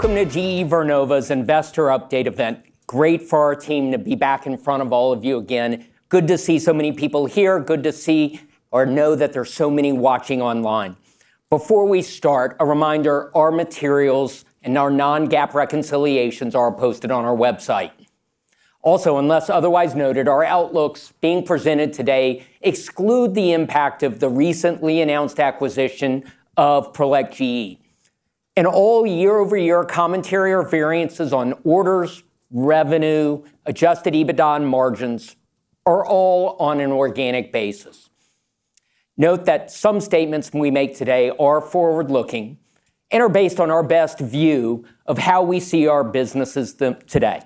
Hello, everyone. Welcome to GE Vernova's Investor Update event. Great for our team to be back in front of all of you again. Good to see so many people here. Good to see or know that there are so many watching online. Before we start, a reminder: our materials and our non-GAAP reconciliations are posted on our website. Also, unless otherwise noted, our outlooks being presented today exclude the impact of the recently announced acquisition of Prolec GE. And all year-over-year commentary or variances on orders, revenue, Adjusted EBITDA and margins are all on an organic basis. Note that some statements we make today are forward-looking and are based on our best view of how we see our businesses today.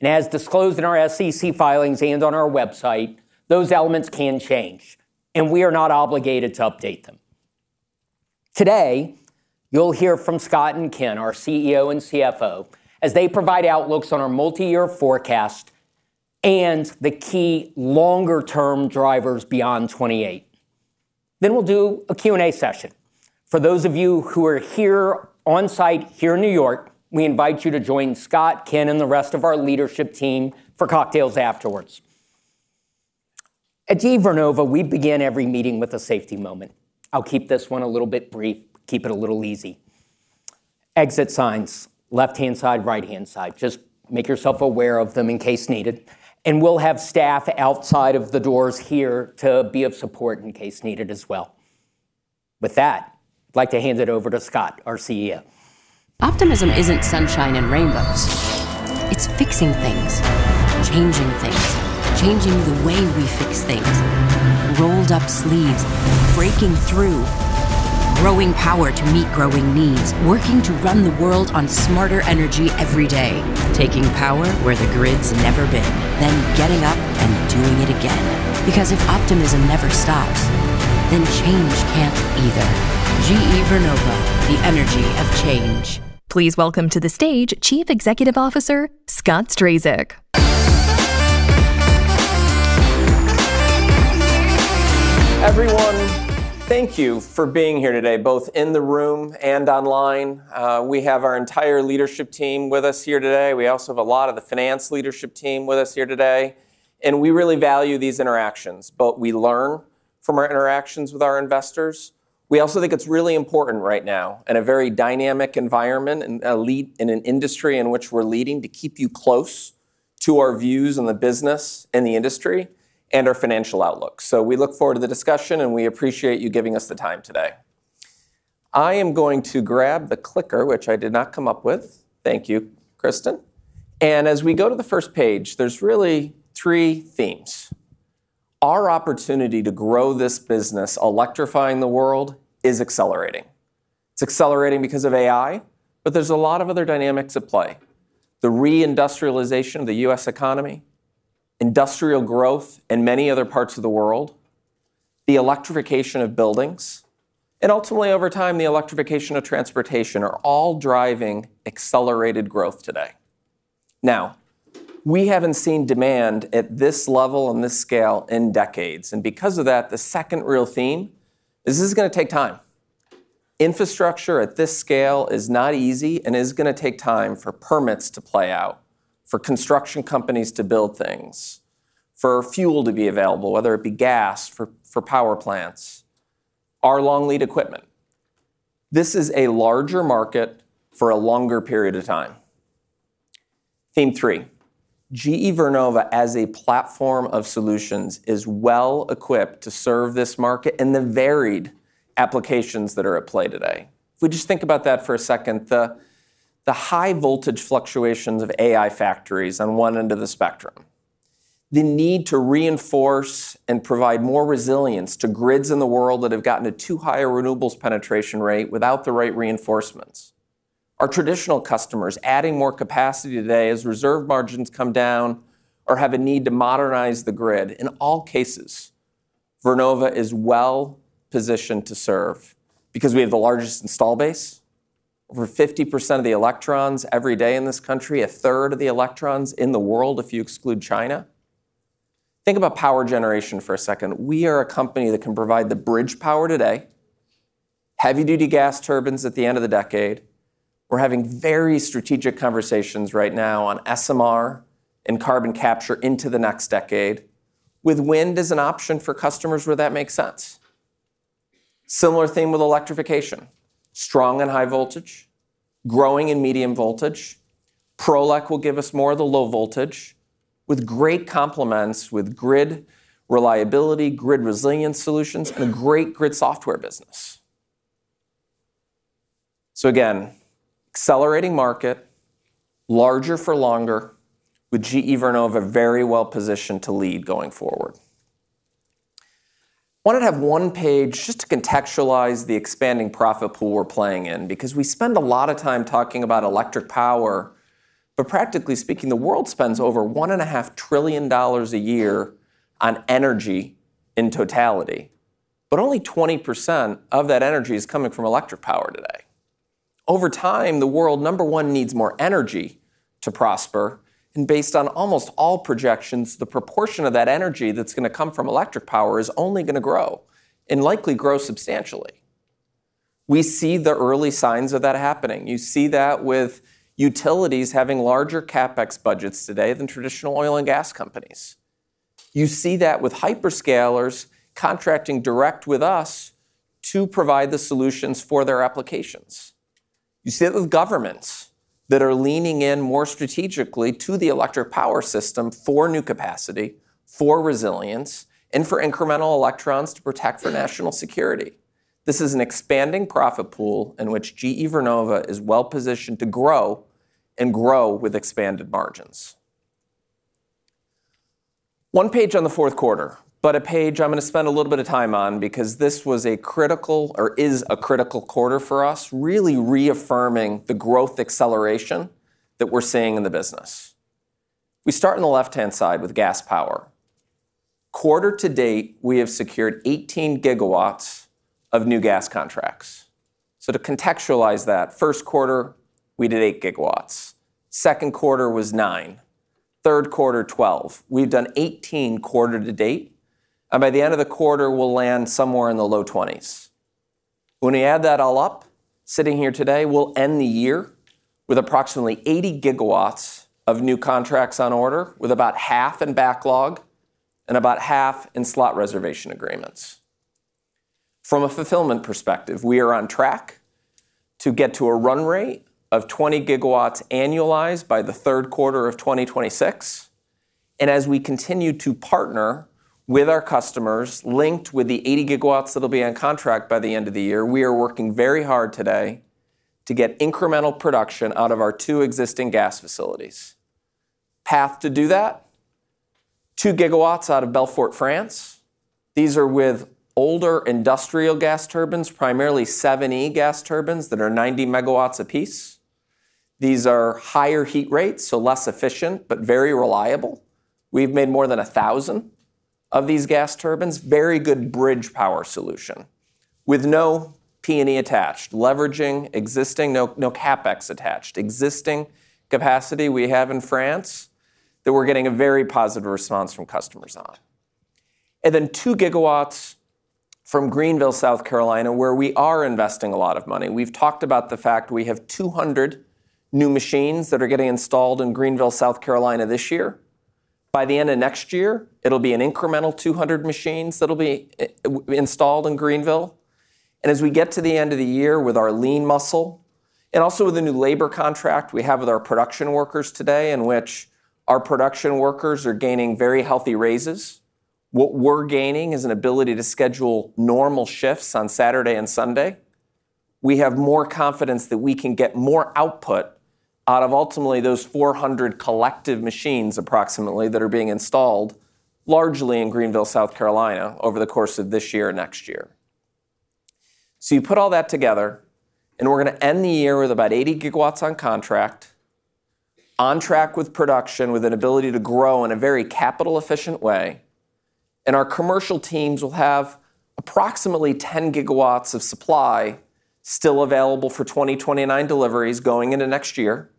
And as disclosed in our SEC filings and on our website, those elements can change, and we are not obligated to update them. Today, you'll hear from Scott and Ken, our CEO and CFO, as they provide outlooks on our multi-year forecast and the key longer-term drivers beyond 2028. Then we'll do a Q&A session. For those of you who are here on site here in New York, we invite you to join Scott, Ken, and the rest of our leadership team for cocktails afterwards. At GE Vernova, we begin every meeting with a safety moment. I'll keep this one a little bit brief, keep it a little easy. Exit signs, left-hand side, right-hand side, just make yourself aware of them in case needed. And we'll have staff outside of the doors here to be of support in case needed as well. With that, I'd like to hand it over to Scott, our CEO. Optimism isn't sunshine and rainbows. It's fixing things, changing things, changing the way we fix things. Rolled-up sleeves, breaking through, growing power to meet growing needs, working to run the world on smarter energy every day. Taking power where the grid's never been, then getting up and doing it again. Because if optimism never stops, then change can't either. GE Vernova, the energy of change. Please welcome to the stage Chief Executive Officer Scott Strazik. Everyone, thank you for being here today, both in the room and online. We have our entire leadership team with us here today. We also have a lot of the finance leadership team with us here today, and we really value these interactions, but we learn from our interactions with our investors. We also think it's really important right now in a very dynamic environment and in an industry in which we're leading to keep you close to our views on the business and the industry and our financial outlook. So we look forward to the discussion, and we appreciate you giving us the time today. I am going to grab the clicker, which I did not come up with. Thank you and as we go to the first page, there's really three themes. Our opportunity to grow this business, electrifying the world, is accelerating. It's accelerating because of AI, but there's a lot of other dynamics at play: the reindustrialization of the U.S. economy, industrial growth in many other parts of the world, the electrification of buildings, and ultimately, over time, the electrification of transportation are all driving accelerated growth today. Now, we haven't seen demand at this level and this scale in decades. And because of that, the second real theme is this is going to take time. Infrastructure at this scale is not easy, and it is going to take time for permits to play out, for construction companies to build things, for fuel to be available, whether it be gas for power plants, our long-lead equipment. This is a larger market for a longer period of time. Theme three: GE Vernova as a platform of solutions is well equipped to serve this market and the varied applications that are at play today. If we just think about that for a second, the high-voltage fluctuations of AI factories on one end of the spectrum, the need to reinforce and provide more resilience to grids in the world that have gotten a too high renewables penetration rate without the right reinforcements, our traditional customers adding more capacity today as reserve margins come down or have a need to modernize the grid. In all cases, Vernova is well positioned to serve because we have the largest installed base, over 50% of the electrons every day in this country, a third of the electrons in the world if you exclude China. Think about power generation for a second. We are a company that can provide the bridge power today, heavy-duty gas turbines at the end of the decade. We're having very strategic conversations right now on SMR and carbon capture into the next decade, with Wind as an option for customers where that makes sense. Similar thing with Electrification: strong and high voltage, growing and medium voltage. Prolec will give us more of the low voltage with great complements with grid reliability, grid resilience solutions, and a great grid software business. So again, accelerating market, larger for longer, with GE Vernova very well positioned to lead going forward. I wanted to have one page just to contextualize the expanding profit pool we're playing in because we spend a lot of time talking about electric power. But practically speaking, the world spends over $1.5 trillion a year on energy in totality, but only 20% of that energy is coming from electric power today. Over time, the world, number one, needs more energy to prosper. And based on almost all projections, the proportion of that energy that's going to come from electric power is only going to grow and likely grow substantially. We see the early signs of that happening. You see that with utilities having larger CapEx budgets today than traditional oil and gas companies. You see that with hyperscalers contracting direct with us to provide the solutions for their applications. You see it with governments that are leaning in more strategically to the electric power system for new capacity, for resilience, and for incremental electrons to protect for national security. This is an expanding profit pool in which GE Vernova is well positioned to grow and grow with expanded margins. One page on the fourth quarter, but a page I'm going to spend a little bit of time on because this was a critical or is a critical quarter for us, really reaffirming the growth acceleration that we're seeing in the business. We start on the left-hand side with Gas Power. Quarter to date, we have secured 18 GW of new gas contracts. So to contextualize that, first quarter, we did eight GW. Second quarter was nine. Third quarter, 12. We've done 18 quarter to date, and by the end of the quarter, we'll land somewhere in the low 20s. When we add that all up, sitting here today, we'll end the year with approximately 80 GW of new contracts on order, with about half in backlog and about half in slot reservation agreements. From a fulfillment perspective, we are on track to get to a run rate of 20 GW annualized by the third quarter of 2026. And as we continue to partner with our customers linked with the 80 GW that will be on contract by the end of the year, we are working very hard today to get incremental production out of our two existing gas facilities. Path to do that: two GW out of Belfort, France. These are with older industrial gas turbines, primarily 7E gas turbines that are 90 MW apiece. These are higher heat rates, so less efficient, but very reliable. We've made more than 1,000 of these gas turbines, very good bridge power solution with no P&E attached, leveraging existing, no CapEx attached, existing capacity we have in France that we're getting a very positive response from customers on. And then two GW from Greenville, South Carolina, where we are investing a lot of money. We've talked about the fact we have 200 new machines that are getting installed in Greenville, South Carolina, this year. By the end of next year, it'll be an incremental 200 machines that'll be installed in Greenville. And as we get to the end of the year with our Lean muscle and also with the new labor contract we have with our production workers today, in which our production workers are gaining very healthy raises, what we're gaining is an ability to schedule normal shifts on Saturday and Sunday. We have more confidence that we can get more output out of ultimately those 400 collective machines approximately that are being installed largely in Greenville, South Carolina, over the course of this year and next year. So you put all that together, and we're going to end the year with about 80 GW on contract, on track with production, with an ability to grow in a very capital-efficient way. And our commercial teams will have approximately 10 GW of supply still available for 2029 deliveries going into next year,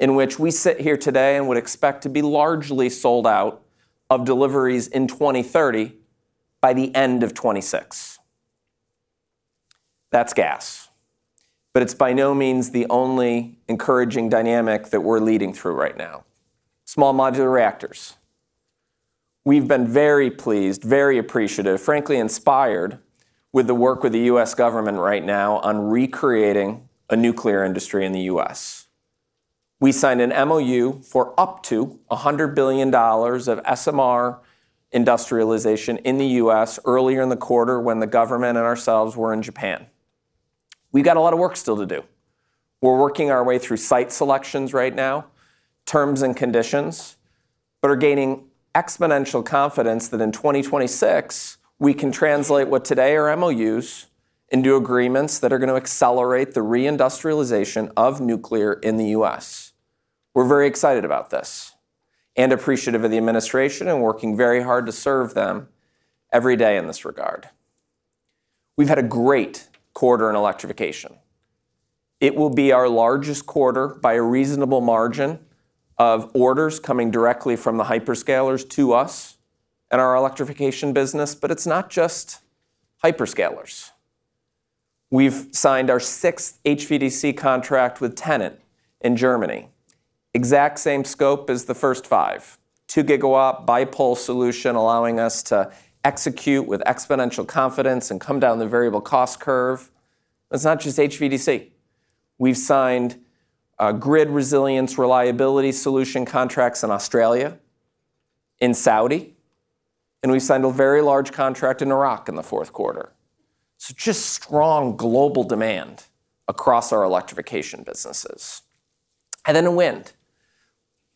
in which we sit here today and would expect to be largely sold out of deliveries in 2030 by the end of 2026. That's Gas. But it's by no means the only encouraging dynamic that we're leading through right now: small modular reactors. We've been very pleased, very appreciative, frankly inspired with the work with the U.S. Government right now on recreating a nuclear industry in the U.S. We signed an MoU for up to $100 billion of SMR industrialization in the U.S. earlier in the quarter when the government and ourselves were in Japan. We've got a lot of work still to do. We're working our way through site selections right now, terms and conditions, but are gaining exponential confidence that in 2026, we can translate what today are MoUs into agreements that are going to accelerate the reindustrialization of nuclear in the U.S. We're very excited about this and appreciative of the administration and working very hard to serve them every day in this regard. We've had a great quarter in Electrification. It will be our largest quarter by a reasonable margin of orders coming directly from the hyperscalers to us and our Electrification business, but it's not just hyperscalers. We've signed our sixth HVDC contract with TenneT in Germany, exact same scope as the first five: two-GW bipole solution allowing us to execute with exponential confidence and come down the variable cost curve. It's not just HVDC. We've signed grid resilience reliability solution contracts in Australia, in Saudi, and we've signed a very large contract in Iraq in the fourth quarter, so just strong global demand across our Electrification businesses and then Wind.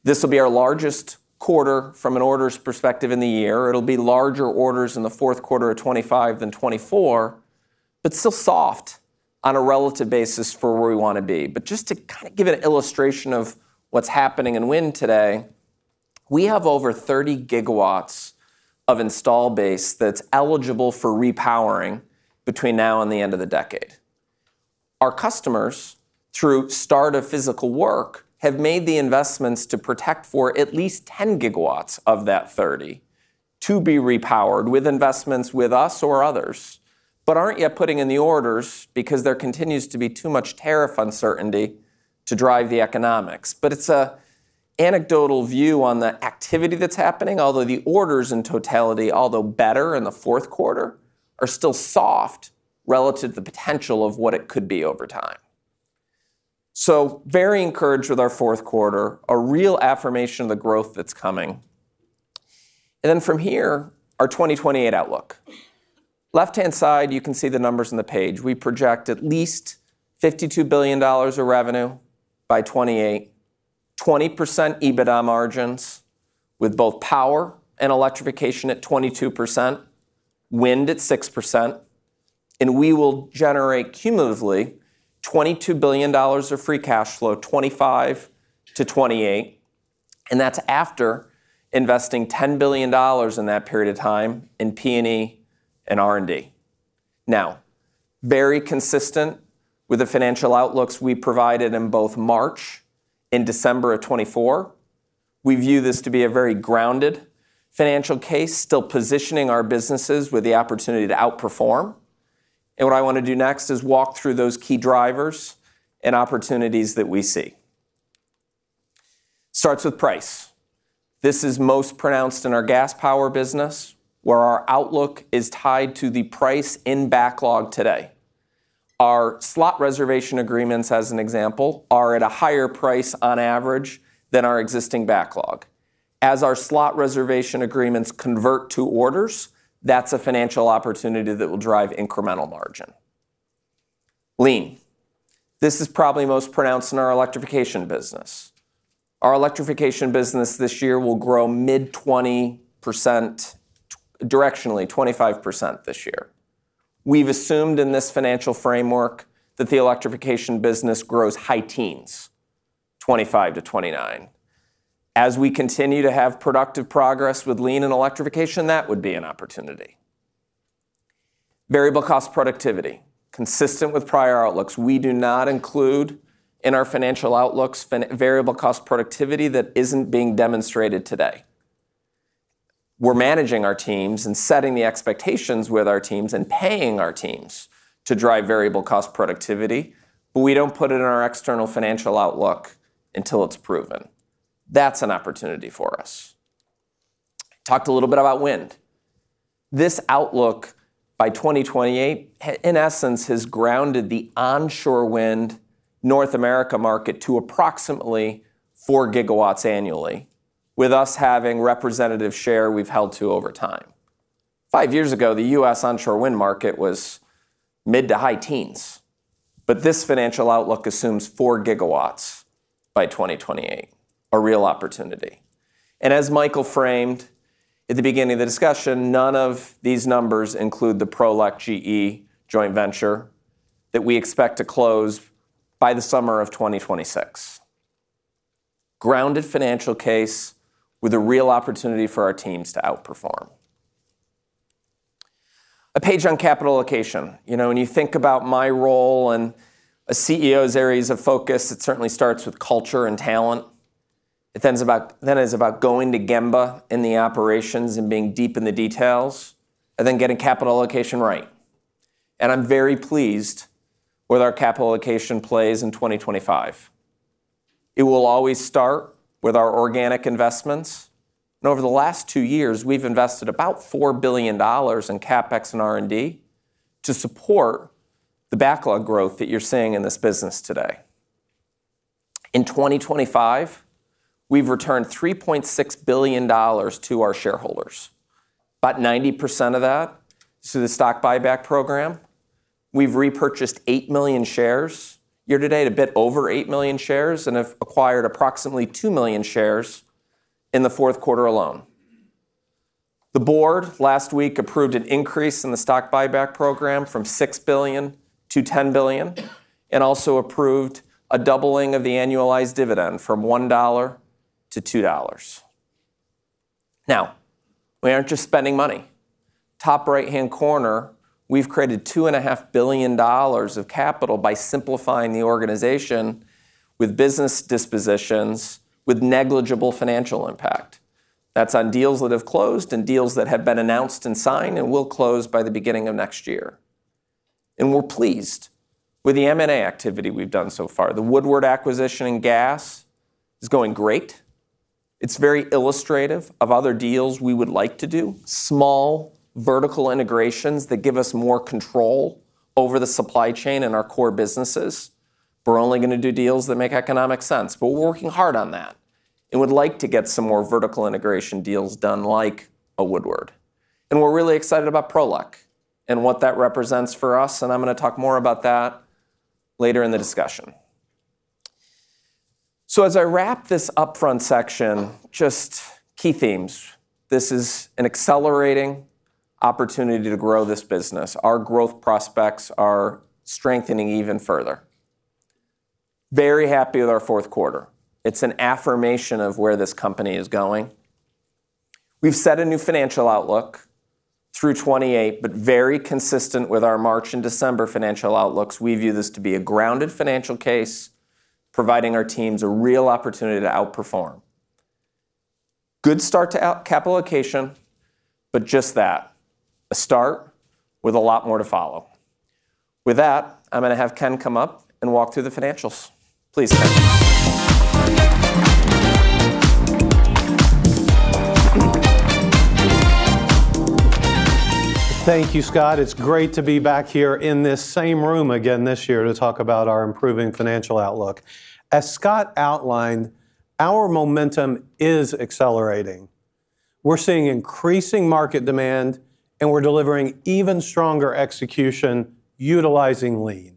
This will be our largest quarter from an orders perspective in the year. It'll be larger orders in the fourth quarter of 2025 than 2024, but still soft on a relative basis for where we want to be, but just to kind of give an illustration of what's happening in Wind today, we have over 30 GW of installed base that's eligible for repowering between now and the end of the decade. Our customers, through start of physical work, have made the investments to protect for at least 10 GW of that 30 to be repowered with investments with us or others, but aren't yet putting in the orders because there continues to be too much tariff uncertainty to drive the economics. But it's an anecdotal view on the activity that's happening, although the orders in totality, although better in the fourth quarter, are still soft relative to the potential of what it could be over time. So very encouraged with our fourth quarter, a real affirmation of the growth that's coming. And then from here, our 2028 outlook. Left-hand side, you can see the numbers on the page. We project at least $52 billion of revenue by 2028, 20% EBITDA margins with both Power and Electrification at 22%, Wind at 6%. And we will generate cumulatively $22 billion of free cash flow, 2025 to 2028. And that's after investing $10 billion in that period of time in P&E and R&D. Now, very consistent with the financial outlooks we provided in both March and December of 2024, we view this to be a very grounded financial case, still positioning our businesses with the opportunity to outperform. And what I want to do next is walk through those key drivers and opportunities that we see. Starts with price. This is most pronounced in our Gas Power business, where our outlook is tied to the price in backlog today. Our slot reservation agreements, as an example, are at a higher price on average than our existing backlog. As our slot reservation agreements convert to orders, that's a financial opportunity that will drive incremental margin. Lean. This is probably most pronounced in our Electrification business. Our Electrification business this year will grow mid-20%, directionally 25% this year. We've assumed in this financial framework that the Electrification business grows high teens, 25%-29%. As we continue to have productive progress with Lean and Electrification, that would be an opportunity. Variable cost productivity, consistent with prior outlooks, we do not include in our financial outlooks variable cost productivity that isn't being demonstrated today. We're managing our teams and setting the expectations with our teams and paying our teams to drive variable cost productivity, but we don't put it in our external financial outlook until it's proven. That's an opportunity for us. Talked a little bit about Wind. This outlook by 2028, in essence, has grounded the onshore Wind North America market to approximately four GW annually, with us having representative share we've held to over time. Five years ago, the U.S. onshore Wind market was mid- to high teens, but this financial outlook assumes four GW by 2028, a real opportunity. And as Michael framed at the beginning of the discussion, none of these numbers include the Prolec GE joint venture that we expect to close by the summer of 2026. Grounded financial case with a real opportunity for our teams to outperform. A page on capital allocation. You know, when you think about my role and a CEO's areas of focus, it certainly starts with culture and talent. It then is about going to Gemba in the operations and being deep in the details and then getting capital allocation right. And I'm very pleased with our capital allocation plays in 2025. It will always start with our organic investments. And over the last two years, we've invested about $4 billion in CapEx and R&D to support the backlog growth that you're seeing in this business today. In 2025, we've returned $3.6 billion to our shareholders, about 90% of that through the stock buyback program. We've repurchased eight million shares. Year to date, a bit over eight million shares and have acquired approximately two million shares in the fourth quarter alone. The board last week approved an increase in the stock buyback program from $6 billion to $10 billion and also approved a doubling of the annualized dividend from $1 to $2. Now, we aren't just spending money. Top right-hand corner, we've created $2.5 billion of capital by simplifying the organization with business dispositions with negligible financial impact. That's on deals that have closed and deals that have been announced and signed and will close by the beginning of next year. And we're pleased with the M&A activity we've done so far. The Woodward acquisition in Gas is going great. It's very illustrative of other deals we would like to do, small vertical integrations that give us more control over the supply chain and our core businesses. We're only going to do deals that make economic sense, but we're working hard on that and would like to get some more vertical integration deals done like a Woodward. And we're really excited about Prolec and what that represents for us. And I'm going to talk more about that later in the discussion. So as I wrap this upfront section, just key themes. This is an accelerating opportunity to grow this business. Our growth prospects are strengthening even further. Very happy with our fourth quarter. It's an affirmation of where this company is going. We've set a new financial outlook through '28, but very consistent with our March and December financial outlooks. We view this to be a grounded financial case, providing our teams a real opportunity to outperform. Good start to capital allocation, but just that, a start with a lot more to follow. With that, I'm going to have Ken come up and walk through the financials. Please, Ken. Thank you, Scott. It's great to be back here in this same room again this year to talk about our improving financial outlook. As Scott outlined, our momentum is accelerating. We're seeing increasing market demand, and we're delivering even stronger execution utilizing Lean.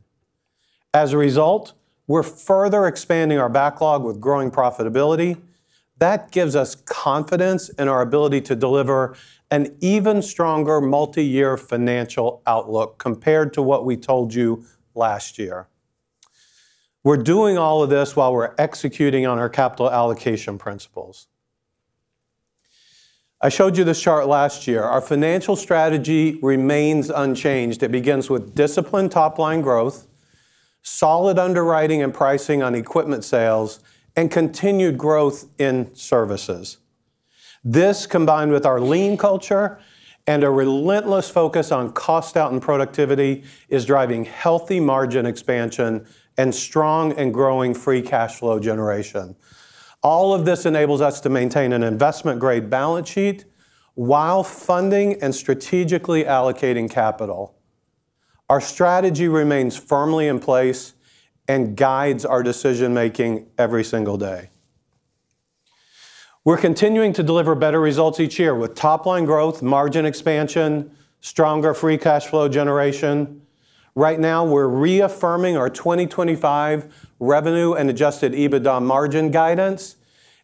As a result, we're further expanding our backlog with growing profitability. That gives us confidence in our ability to deliver an even stronger multi-year financial outlook compared to what we told you last year. We're doing all of this while we're executing on our capital allocation principles. I showed you this chart last year. Our financial strategy remains unchanged. It begins with disciplined top-line growth, solid underwriting and pricing on equipment sales, and continued growth in services. This, combined with our Lean culture and a relentless focus on cost out and productivity, is driving healthy margin expansion and strong and growing free cash flow generation. All of this enables us to maintain an investment-grade balance sheet while funding and strategically allocating capital. Our strategy remains firmly in place and guides our decision-making every single day. We're continuing to deliver better results each year with top-line growth, margin expansion, stronger free cash flow generation. Right now, we're reaffirming our 2025 revenue and adjusted EBITDA margin guidance,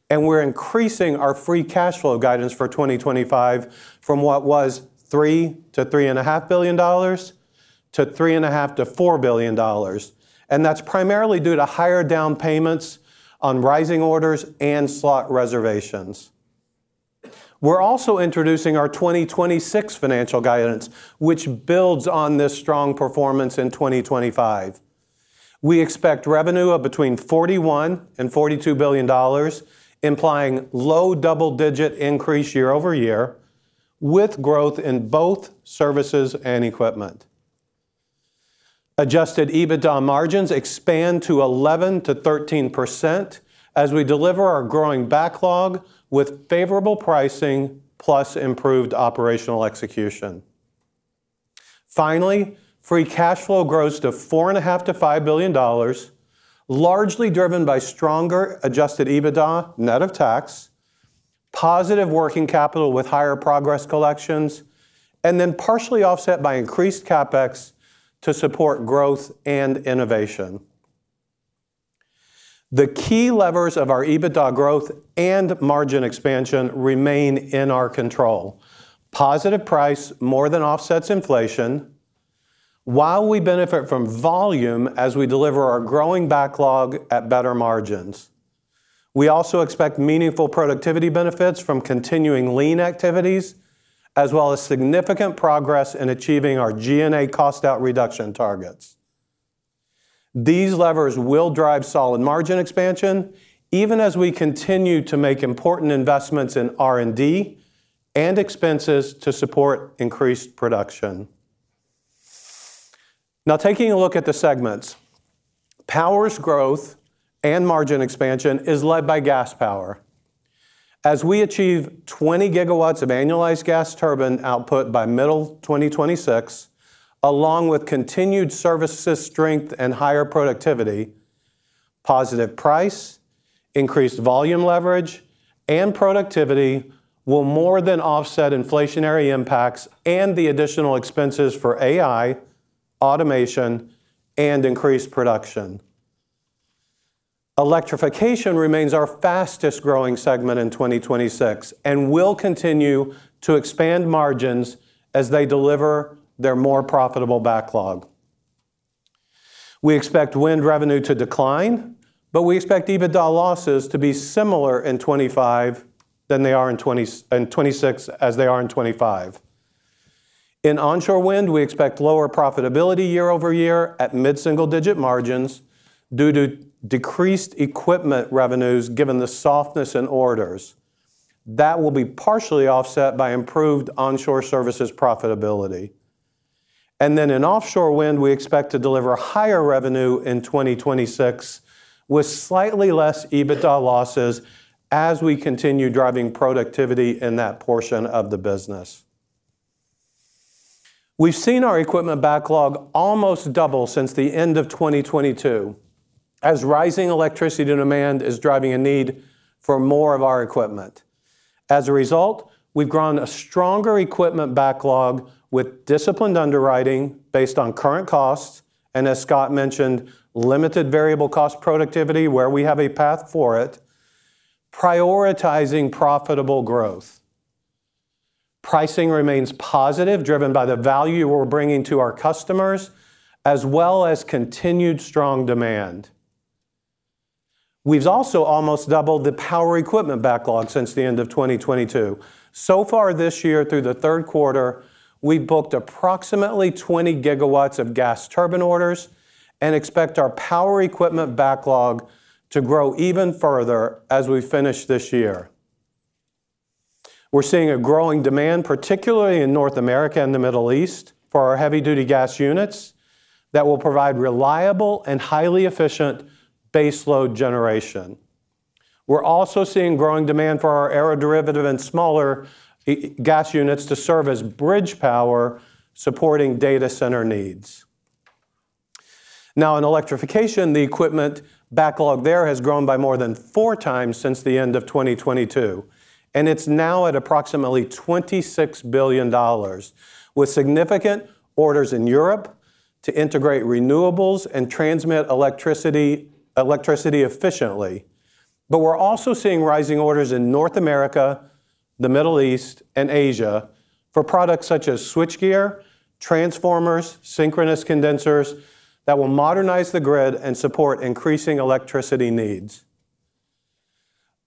and we're increasing our free cash flow guidance for 2025 from what was $3-$3.5 billion to $3.5-$4 billion, and that's primarily due to higher down payments on rising orders and slot reservations. We're also introducing our 2026 financial guidance, which builds on this strong performance in 2025. We expect revenue of between $41-$42 billion, implying low double-digit increase year-over-year with growth in both services and equipment. Adjusted EBITDA margins expand to 11%-13% as we deliver our growing backlog with favorable pricing plus improved operational execution. Finally, free cash flow grows to $4.5-$5 billion, largely driven by stronger adjusted EBITDA net of tax, positive working capital with higher progress collections, and then partially offset by increased CapEx to support growth and innovation. The key levers of our EBITDA growth and margin expansion remain in our control. Positive price more than offsets inflation, while we benefit from volume as we deliver our growing backlog at better margins. We also expect meaningful productivity benefits from continuing Lean activities, as well as significant progress in achieving our G&A cost out reduction targets. These levers will drive solid margin expansion, even as we continue to make important investments in R&D and expenses to support increased production. Now, taking a look at the segments, Power's growth and margin expansion is led by Gas Power. As we achieve 20 GW of annualized gas turbine output by middle 2026, along with continued services strength and higher productivity, positive price, increased volume leverage, and productivity will more than offset inflationary impacts and the additional expenses for AI, automation, and increased production. Electrification remains our fastest-growing segment in 2026 and will continue to expand margins as they deliver their more profitable backlog. We expect Wind revenue to decline, but we expect EBITDA losses to be similar in 2025 than they are in 2026 as they are in 2025. In onshore Wind, we expect lower profitability year-over-year at mid-single-digit margins due to decreased equipment revenues given the softness in orders. That will be partially offset by improved onshore services profitability, and then in offshore Wind, we expect to deliver higher revenue in 2026 with slightly less EBITDA losses as we continue driving productivity in that portion of the business. We've seen our equipment backlog almost double since the end of 2022, as rising electricity demand is driving a need for more of our equipment. As a result, we've grown a stronger equipment backlog with disciplined underwriting based on current costs and, as Scott mentioned, limited variable cost productivity, where we have a path for it, prioritizing profitable growth. Pricing remains positive, driven by the value we're bringing to our customers, as well as continued strong demand. We've also almost doubled the Power equipment backlog since the end of 2022. So far this year, through the third quarter, we've booked approximately 20 GW of gas turbine orders and expect our Power equipment backlog to grow even further as we finish this year. We're seeing a growing demand, particularly in North America and the Middle East, for our heavy-duty gas units that will provide reliable and highly efficient baseload generation. We're also seeing growing demand for our aeroderivative and smaller gas units to serve as bridge power supporting data center needs. Now, in Electrification, the equipment backlog there has grown by more than four times since the end of 2022, and it's now at approximately $26 billion, with significant orders in Europe to integrate renewables and transmit electricity efficiently. But we're also seeing rising orders in North America, the Middle East, and Asia for products such as switchgear, transformers, synchronous condensers that will modernize the grid and support increasing electricity needs.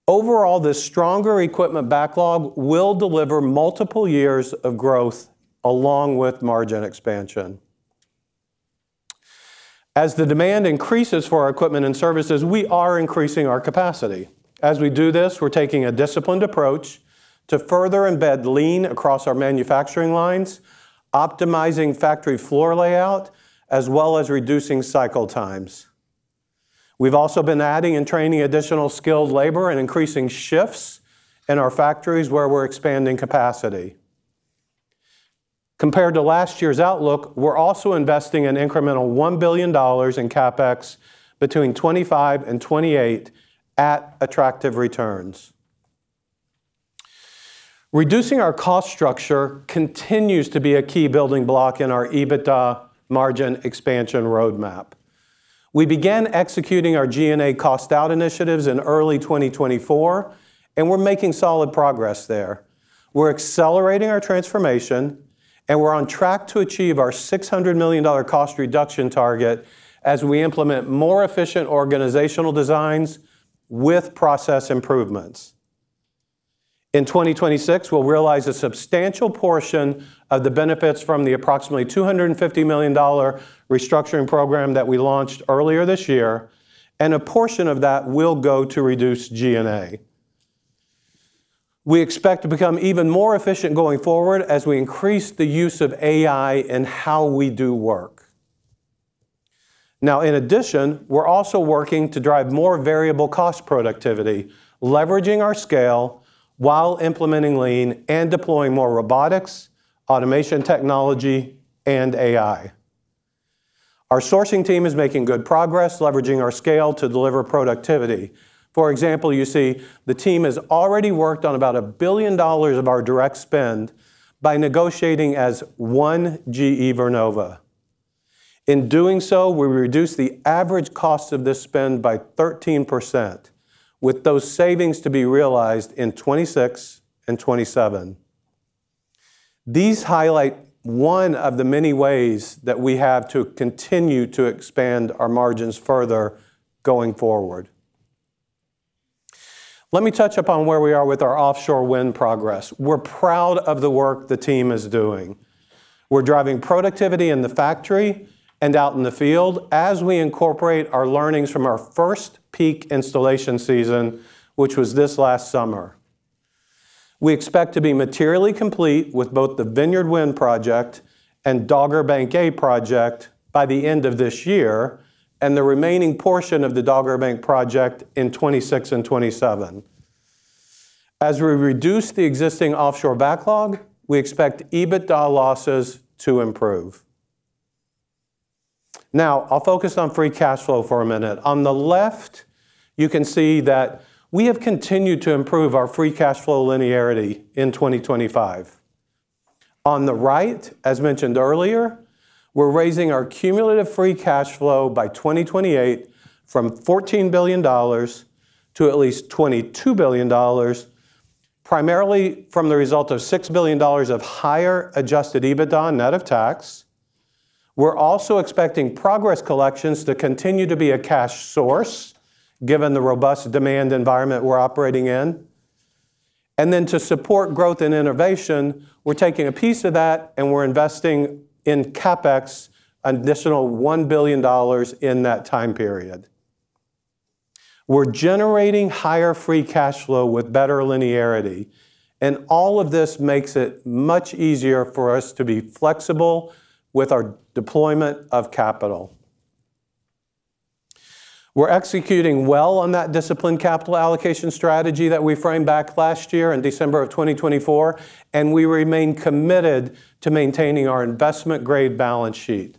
Overall, this stronger equipment backlog will deliver multiple years of growth along with margin expansion. As the demand increases for our equipment and services, we are increasing our capacity. As we do this, we're taking a disciplined approach to further embed Lean across our manufacturing lines, optimizing factory floor layout, as well as reducing cycle times. We've also been adding and training additional skilled labor and increasing shifts in our factories where we're expanding capacity. Compared to last year's outlook, we're also investing an incremental $1 billion in CapEx between 2025 and 2028 at attractive returns. Reducing our cost structure continues to be a key building block in our EBITDA margin expansion roadmap. We began executing our G&A cost out initiatives in early 2024, and we're making solid progress there. We're accelerating our transformation, and we're on track to achieve our $600 million cost reduction target as we implement more efficient organizational designs with process improvements. In 2026, we'll realize a substantial portion of the benefits from the approximately $250 million restructuring program that we launched earlier this year, and a portion of that will go to reduce G&A. We expect to become even more efficient going forward as we increase the use of AI in how we do work. Now, in addition, we're also working to drive more variable cost productivity, leveraging our scale while implementing Lean and deploying more robotics, automation technology, and AI. Our sourcing team is making good progress, leveraging our scale to deliver productivity. For example, you see the team has already worked on about $1 billion of our direct spend by negotiating as one GE Vernova. In doing so, we reduced the average cost of this spend by 13%, with those savings to be realized in 2026 and 2027. These highlight one of the many ways that we have to continue to expand our margins further going forward. Let me touch upon where we are with our offshore Wind progress. We're proud of the work the team is doing. We're driving productivity in the factory and out in the field as we incorporate our learnings from our first peak installation season, which was this last summer. We expect to be materially complete with both the Vineyard Wind Project and Dogger Bank A Project by the end of this year and the remaining portion of the Dogger Bank Project in 2026 and 2027. As we reduce the existing offshore backlog, we expect EBITDA losses to improve. Now, I'll focus on free cash flow for a minute. On the left, you can see that we have continued to improve our free cash flow linearity in 2025. On the right, as mentioned earlier, we're raising our cumulative free cash flow by 2028 from $14 billion to at least $22 billion, primarily from the result of $6 billion of higher adjusted EBITDA net of tax. We're also expecting progress collections to continue to be a cash source, given the robust demand environment we're operating in, and then to support growth and innovation, we're taking a piece of that and we're investing in CapEx, an additional $1 billion in that time period. We're generating higher free cash flow with better linearity, and all of this makes it much easier for us to be flexible with our deployment of capital. We're executing well on that disciplined capital allocation strategy that we framed back last year in December of 2024, and we remain committed to maintaining our investment-grade balance sheet.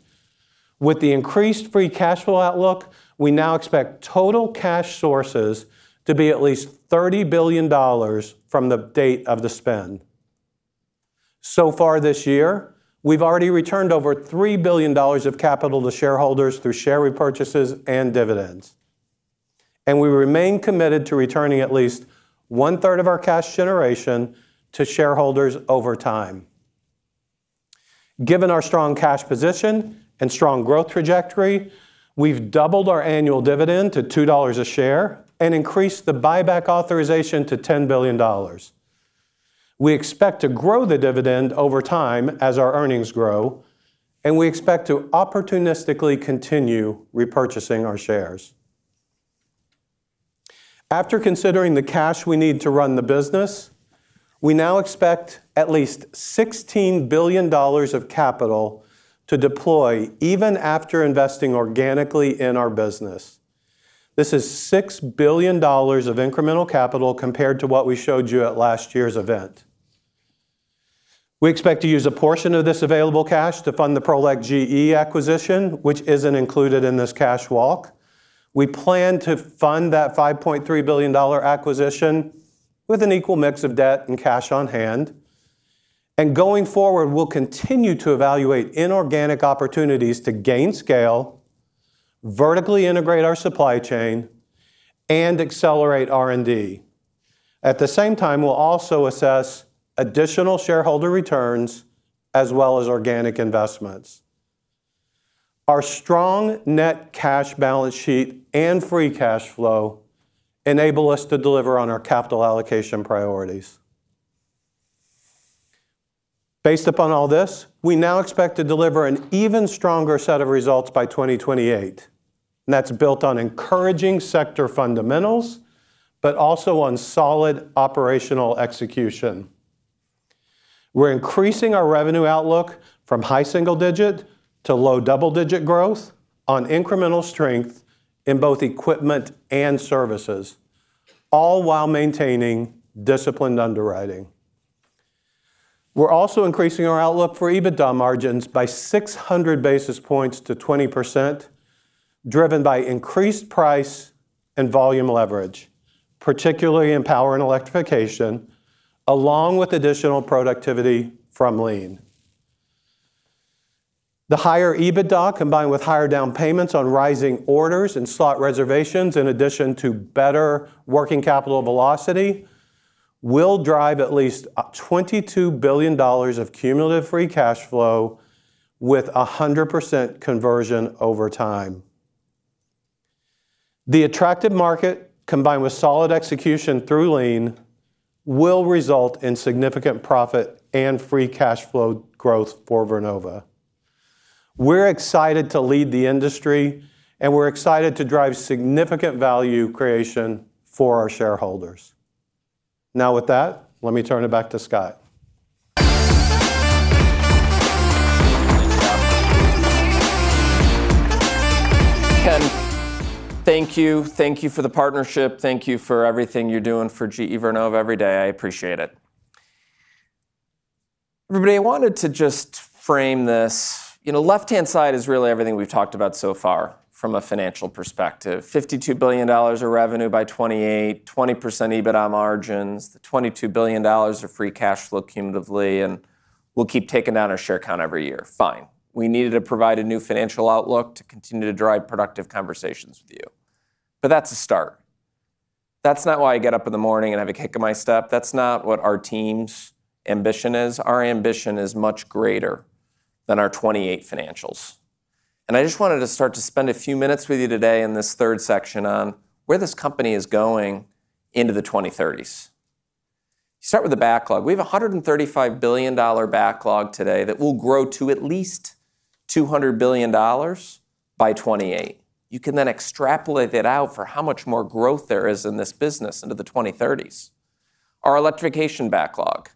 With the increased free cash flow outlook, we now expect total cash sources to be at least $30 billion from the date of the spin. So far this year, we've already returned over $3 billion of capital to shareholders through share repurchases and dividends. We remain committed to returning at least one-third of our cash generation to shareholders over time. Given our strong cash position and strong growth trajectory, we've doubled our annual dividend to $2 a share and increased the buyback authorization to $10 billion. We expect to grow the dividend over time as our earnings grow, and we expect to opportunistically continue repurchasing our shares. After considering the cash we need to run the business, we now expect at least $16 billion of capital to deploy even after investing organically in our business. This is $6 billion of incremental capital compared to what we showed you at last year's event. We expect to use a portion of this available cash to fund the Prolec GE acquisition, which isn't included in this cash walk. We plan to fund that $5.3 billion acquisition with an equal mix of debt and cash on hand. Going forward, we'll continue to evaluate inorganic opportunities to gain scale, vertically integrate our supply chain, and accelerate R&D. At the same time, we'll also assess additional shareholder returns as well as organic investments. Our strong net cash balance sheet and free cash flow enable us to deliver on our capital allocation priorities. Based upon all this, we now expect to deliver an even stronger set of results by 2028. That's built on encouraging sector fundamentals, but also on solid operational execution. We're increasing our revenue outlook from high single-digit to low double-digit growth on incremental strength in both equipment and services, all while maintaining disciplined underwriting. We're also increasing our outlook for EBITDA margins by 600 basis points to 20%, driven by increased price and volume leverage, particularly in Power and Electrification, along with additional productivity from Lean. The higher EBITDA, combined with higher down payments on rising orders and slot reservations, in addition to better working capital velocity, will drive at least $22 billion of cumulative free cash flow with 100% conversion over time. The attractive market, combined with solid execution through Lean, will result in significant profit and free cash flow growth for Vernova. We're excited to lead the industry, and we're excited to drive significant value creation for our shareholders. Now, with that, let me turn it back to Scott. Ken, thank you. Thank you for the partnership. Thank you for everything you're doing for GE Vernova every day. I appreciate it. Everybody, I wanted to just frame this. You know, left-hand side is really everything we've talked about so far from a financial perspective. $52 billion of revenue by 2028, 20% EBITDA margins, the $22 billion of free cash flow cumulatively, and we'll keep taking down our share count every year. Fine. We needed to provide a new financial outlook to continue to drive productive conversations with you. But that's a start. That's not why I get up in the morning and have a kick in my step. That's not what our team's ambition is. Our ambition is much greater than our 2028 financials. And I just wanted to start to spend a few minutes with you today in this third section on where this company is going into the 2030s. You start with the backlog. We have a $135 billion backlog today that will grow to at least $200 billion by 2028. You can then extrapolate it out for how much more growth there is in this business into the 2030s. Our Electrification backlog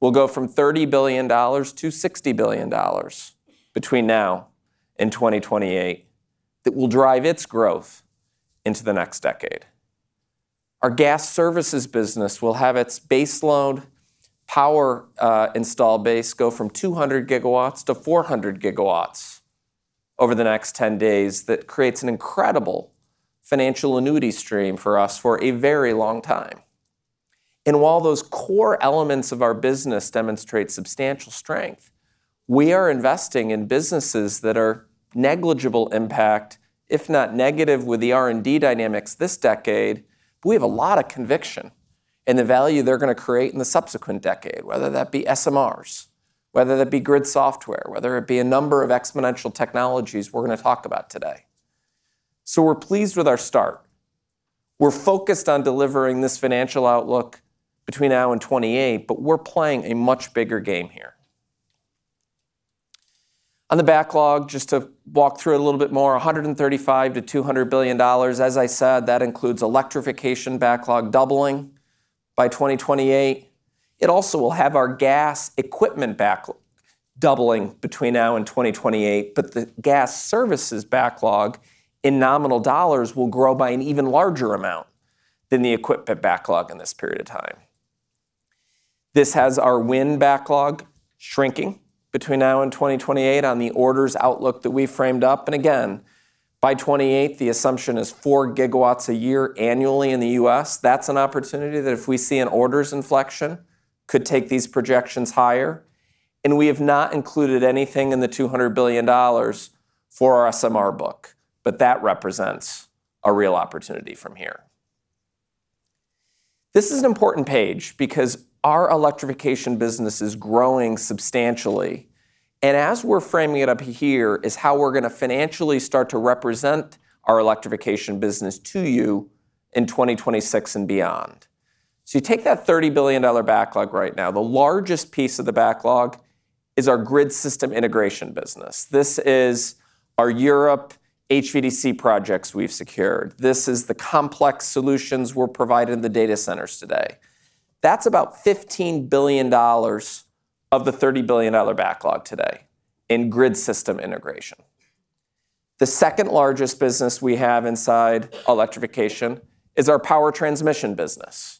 will go from $30 billion to $60 billion between now and 2028, that will drive its growth into the next decade. Our Gas services business will have its base load power installed base go from 200 GW to 400 GW over the next decade, that creates an incredible financial annuity stream for us for a very long time. And while those core elements of our business demonstrate substantial strength, we are investing in businesses that are negligible impact, if not negative with the R&D dynamics this decade, but we have a lot of conviction in the value they're going to create in the subsequent decade, whether that be SMRs, whether that be grid software, whether it be a number of exponential technologies we're going to talk about today. So we're pleased with our start. We're focused on delivering this financial outlook between now and 2028, but we're playing a much bigger game here. On the backlog, just to walk through it a little bit more, $135-$200 billion, as I said, that includes Electrification backlog doubling by 2028. It also will have our Gas Equipment backlog doubling between now and 2028, but the Gas services backlog in nominal dollars will grow by an even larger amount than the equipment backlog in this period of time. This has our Wind backlog shrinking between now and 2028 on the orders outlook that we framed up, and again, by 2028, the assumption is four GW a year annually in the U.S. That's an opportunity that if we see an orders inflection, could take these projections higher. And we have not included anything in the $200 billion for our SMR book, but that represents a real opportunity from here. This is an important page because our Electrification business is growing substantially. And as we're framing it up here, is how we're going to financially start to represent our Electrification business to you in 2026 and beyond. So you take that $30 billion backlog right now, the largest piece of the backlog is our Grid System Integration business. This is our Europe HVDC projects we've secured. This is the complex solutions we're providing the data centers today. That's about $15 billion of the $30 billion backlog today in Grid System Integration. The second largest business we have inside Electrification is our power transmission business.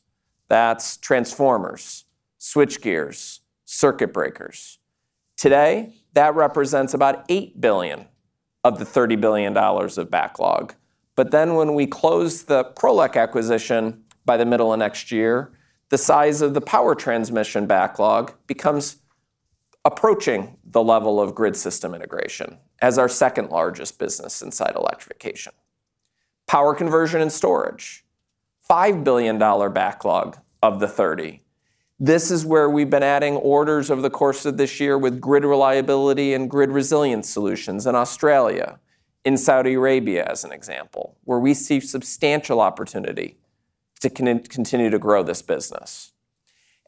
That's transformers, switchgear, circuit breakers. Today, that represents about $8 billion of the $30 billion of backlog. But then when we close the Prolec acquisition by the middle of next year, the size of the Power Transmission backlog becomes approaching the level of Grid System Integration as our second largest business inside Electrification. Power Conversion and Storage, $5 billion backlog of the $30 billion. This is where we've been adding orders over the course of this year with grid reliability and grid resilience solutions in Australia, in Saudi Arabia, as an example, where we see substantial opportunity to continue to grow this business.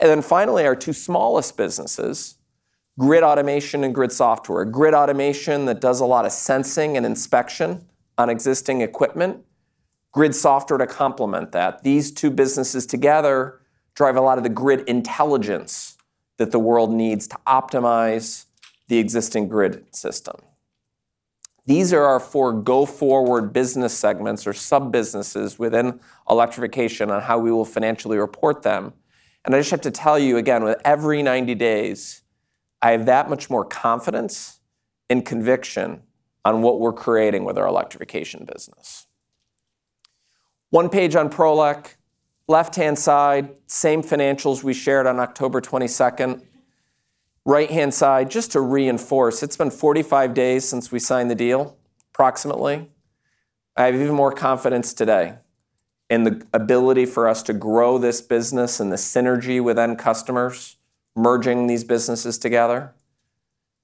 And then finally, our two smallest businesses, Grid Automation and Grid Software. Grid Automation that does a lot of sensing and inspection on existing equipment, Grid Software to complement that. These two businesses together drive a lot of the grid intelligence that the world needs to optimize the existing grid system. These are our four go-forward business segments or sub-businesses within Electrification on how we will financially report them. I just have to tell you again, with every 90 days, I have that much more confidence and conviction on what we're creating with our Electrification business. One page on Prolec, left-hand side, same financials we shared on October 22nd, right-hand side, just to reinforce, it's been 45 days since we signed the deal, approximately. I have even more confidence today in the ability for us to grow this business and the synergy with end customers, merging these businesses together.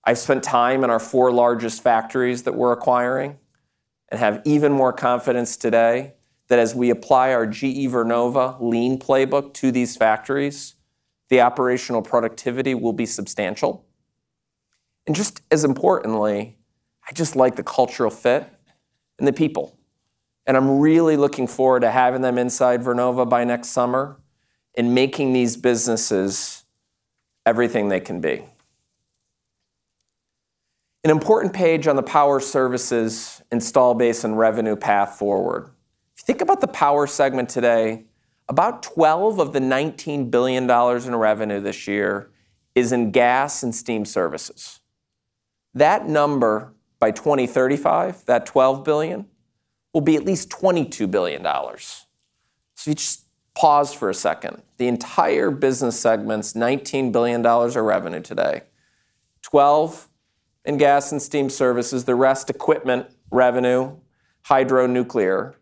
I've spent time in our four largest factories that we're acquiring and have even more confidence today that as we apply our GE Vernova Lean Playbook to these factories, the operational productivity will be substantial. Just as importantly, I just like the cultural fit and the people. I'm really looking forward to having them inside Vernova by next summer and making these businesses everything they can be. An important page on the Power services install base and revenue path forward. If you think about the Power segment today, about $12 of the $19 billion in revenue this year is in Gas and Steam services. That number by 2035, that $12 billion, will be at least $22 billion. So you just pause for a second. The entire business segment's $19 billion of revenue today, $12 in Gas and Steam services, the rest equipment revenue, Hydro, Nuclear.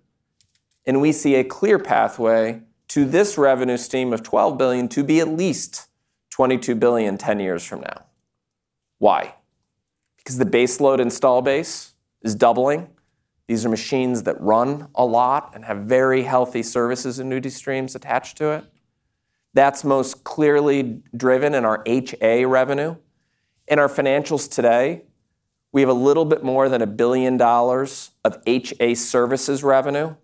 And we see a clear pathway to this revenue stream of $12 billion to be at least $22 billion 10 years from now. Why? Because the baseload install base is doubling. These are machines that run a lot and have very healthy services and annuity streams attached to it. That's most clearly driven in our HA revenue. In our financials today, we have a little bit more than $1 billion of HA services revenue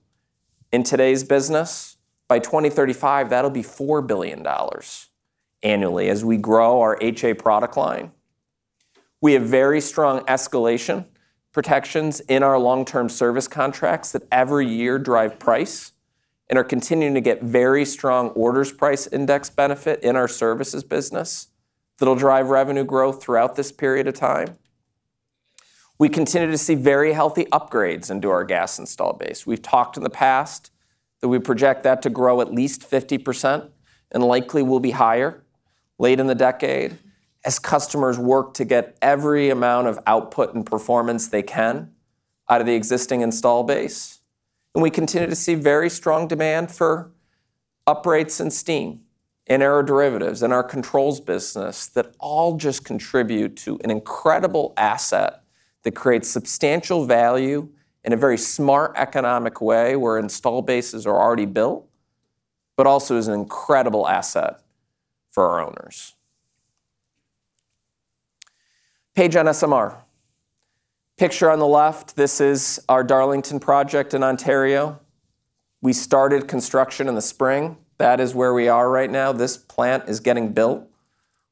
in today's business. By 2035, that'll be $4 billion annually as we grow our HA product line. We have very strong escalation protections in our long-term service contracts that every year drive price and are continuing to get very strong orders price index benefit in our services business that'll drive revenue growth throughout this period of time. We continue to see very healthy upgrades into our gas install base. We've talked in the past that we project that to grow at least 50% and likely will be higher late in the decade as customers work to get every amount of output and performance they can out of the existing install base. We continue to see very strong demand for uprates and steam and aeroderivatives in our controls business that all just contribute to an incredible asset that creates substantial value in a very smart economic way where installed bases are already built, but also is an incredible asset for our owners. Page on SMR. Picture on the left, this is our Darlington Project in Ontario. We started construction in the spring. That is where we are right now. This plant is getting built.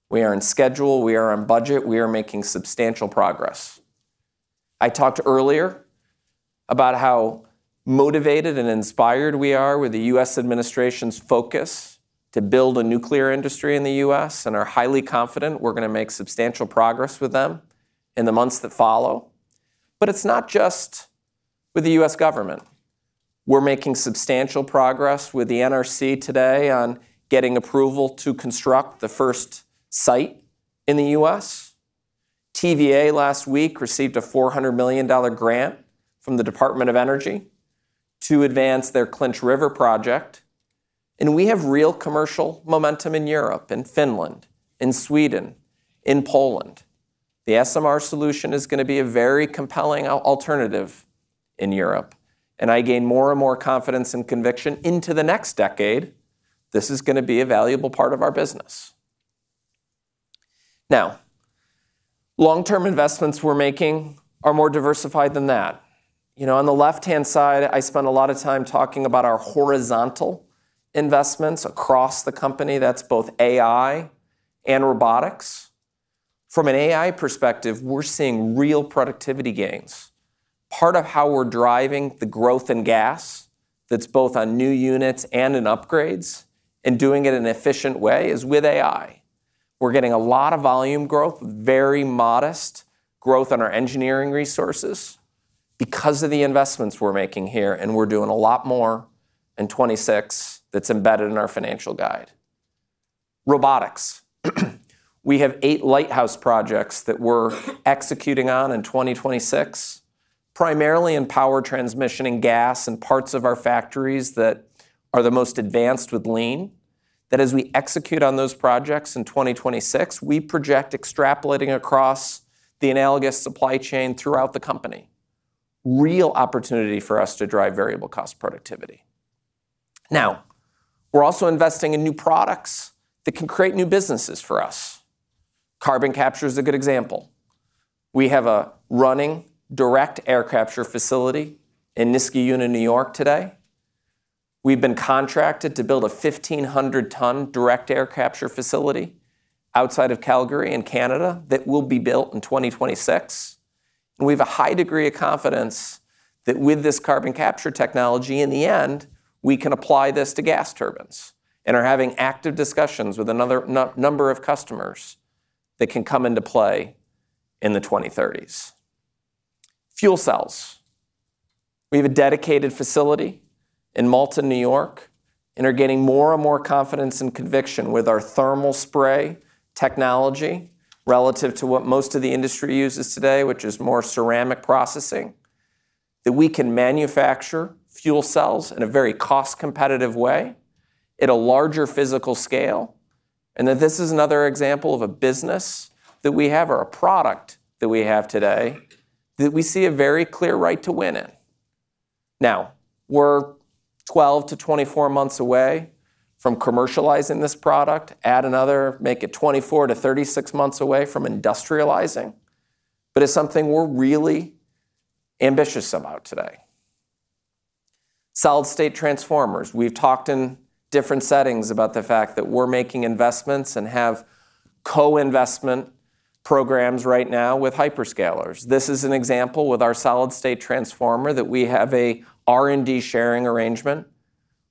We are on schedule. We are on budget. We are making substantial progress. I talked earlier about how motivated and inspired we are with the U.S. administration's focus to build a nuclear industry in the U.S. and are highly confident we're going to make substantial progress with them in the months that follow. But it's not just with the U.S. government. We're making substantial progress with the NRC today on getting approval to construct the first site in the U.S. TVA last week received a $400 million grant from the Department of Energy to advance their Clinch River project. And we have real commercial momentum in Europe, in Finland, in Sweden, in Poland. The SMR solution is going to be a very compelling alternative in Europe. And I gain more and more confidence and conviction into the next decade, this is going to be a valuable part of our business. Now, long-term investments we're making are more diversified than that. You know, on the left-hand side, I spent a lot of time talking about our horizontal investments across the company. That's both AI and robotics. From an AI perspective, we're seeing real productivity gains. Part of how we're driving the growth in Gas that's both on new units and in upgrades and doing it in an efficient way is with AI. We're getting a lot of volume growth, very modest growth on our engineering resources because of the investments we're making here. And we're doing a lot more in 2026 that's embedded in our financial guide. Robotics. We have eight lighthouse projects that we're executing on in 2026, primarily in Power, Transmission, and Gas and parts of our factories that are the most advanced with Lean. That, as we execute on those projects in 2026, we project extrapolating across the analogous supply chain throughout the company. Real opportunity for us to drive variable cost productivity. Now, we're also investing in new products that can create new businesses for us. Carbon capture is a good example. We have a running Direct Air Capture facility in Niskayuna, New York today. We've been contracted to build a 1,500-ton Direct Air Capture facility outside of Calgary, Canada that will be built in 2026, and we have a high degree of confidence that with this carbon capture technology, in the end, we can apply this to gas turbines and are having active discussions with another number of customers that can come into play in the 2030s. Fuel cells. We have a dedicated facility in Malta, New York, and are getting more and more confidence and conviction with our thermal spray technology relative to what most of the industry uses today, which is more ceramic processing, that we can manufacture fuel cells in a very cost-competitive way at a larger physical scale. And then this is another example of a business that we have or a product that we have today that we see a very clear right to win in. Now, we're 12-24 months away from commercializing this product. Add another, make it 24-36 months away from industrializing, but it's something we're really ambitious about today. Solid-state transformers. We've talked in different settings about the fact that we're making investments and have co-investment programs right now with hyperscalers. This is an example with our solid-state transformer that we have an R&D sharing arrangement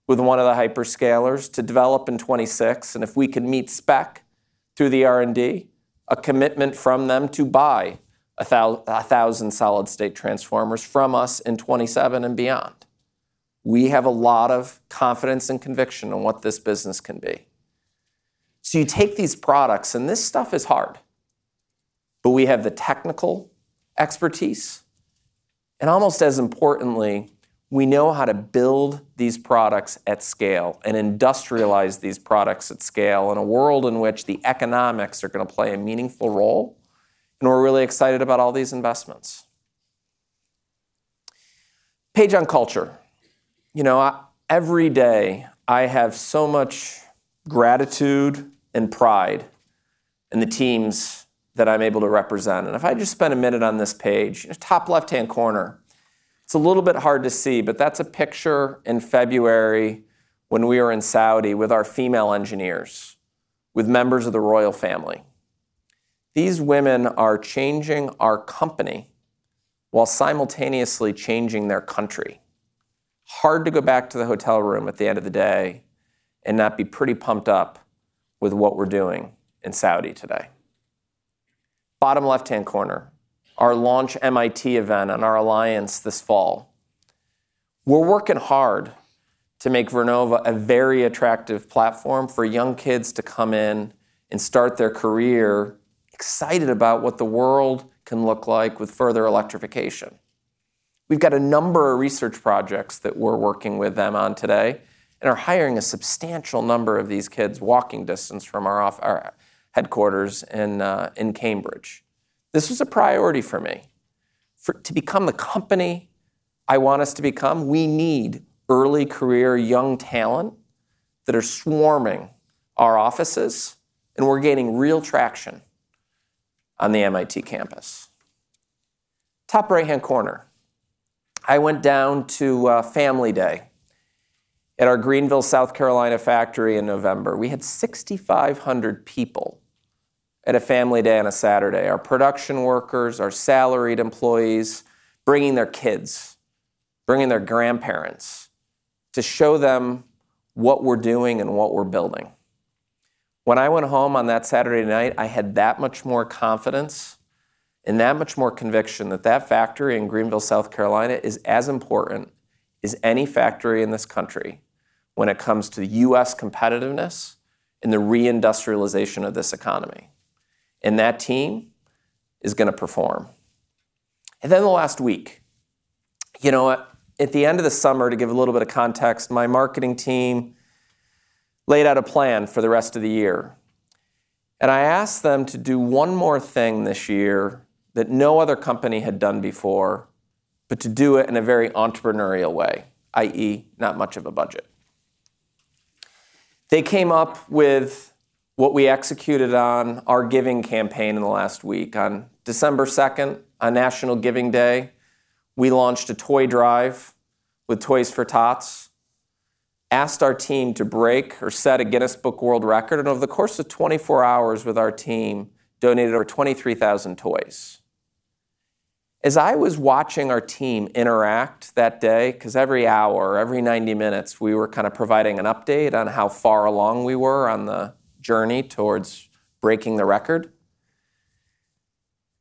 with one of the hyperscalers to develop in 2026. And if we can meet spec through the R&D, a commitment from them to buy 1,000 solid-state transformers from us in 2027 and beyond. We have a lot of confidence and conviction on what this business can be. So you take these products, and this stuff is hard, but we have the technical expertise. And almost as importantly, we know how to build these products at scale and industrialize these products at scale in a world in which the economics are going to play a meaningful role. And we're really excited about all these investments. Page on culture. You know, every day I have so much gratitude and pride in the teams that I'm able to represent. And if I just spend a minute on this page, top left-hand corner, it's a little bit hard to see, but that's a picture in February when we were in Saudi Arabia with our female engineers, with members of the royal family. These women are changing our company while simultaneously changing their country. Hard to go back to the hotel room at the end of the day and not be pretty pumped up with what we're doing in Saudi today. Bottom left-hand corner, our launch MIT event on our alliance this fall. We're working hard to make Vernova a very attractive platform for young kids to come in and start their career excited about what the world can look like with further electrification. We've got a number of research projects that we're working with them on today and are hiring a substantial number of these kids walking distance from our headquarters in Cambridge. This was a priority for me. To become the company I want us to become, we need early career young talent that are swarming our offices and we're gaining real traction on the MIT campus. Top right-hand corner. I went down to Family Day at our Greenville, South Carolina factory in November. We had 6,500 people at a Family Day on a Saturday. Our production workers, our salaried employees, bringing their kids, bringing their grandparents to show them what we're doing and what we're building. When I went home on that Saturday night, I had that much more confidence and that much more conviction that that factory in Greenville, South Carolina is as important as any factory in this country when it comes to U.S. competitiveness and the re-industrialization of this economy, and that team is going to perform, and then the last week, you know, at the end of the summer, to give a little bit of context, my marketing team laid out a plan for the rest of the year. I asked them to do one more thing this year that no other company had done before, but to do it in a very entrepreneurial way, i.e., not much of a budget. They came up with what we executed on our giving campaign in the last week. On December 2nd, on National Giving Day, we launched a toy drive with Toys for Tots, asked our team to break or set a Guinness World Record, and over the course of 24 hours with our team, donated over 23,000 toys. As I was watching our team interact that day, because every hour, every 90 minutes, we were kind of providing an update on how far along we were on the journey towards breaking the record,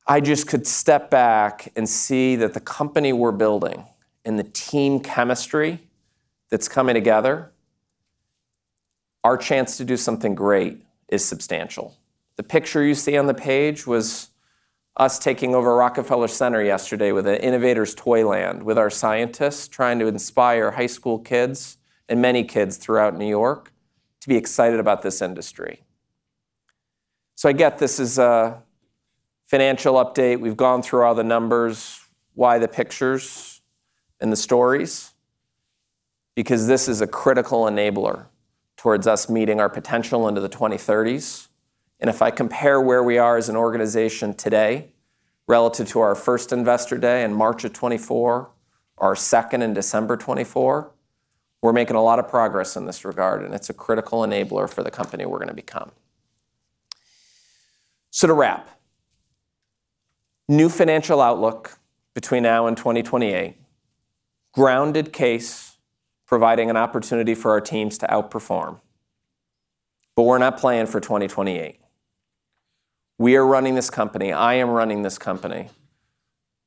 I just could step back and see that the company we're building and the team chemistry that's coming together, our chance to do something great is substantial. The picture you see on the page was us taking over Rockefeller Center yesterday with Innovators Toy Land, with our scientists trying to inspire high school kids and many kids throughout New York to be excited about this industry. So I get this is a financial update. We've gone through all the numbers, why the pictures and the stories, because this is a critical enabler towards us meeting our potential into the 2030s. And if I compare where we are as an organization today relative to our first Investor Day in March of 2024, our second in December 2024, we're making a lot of progress in this regard. And it's a critical enabler for the company we're going to become. So to wrap, new financial outlook between now and 2028, grounded case providing an opportunity for our teams to outperform. But we're not playing for 2028. We are running this company. I am running this company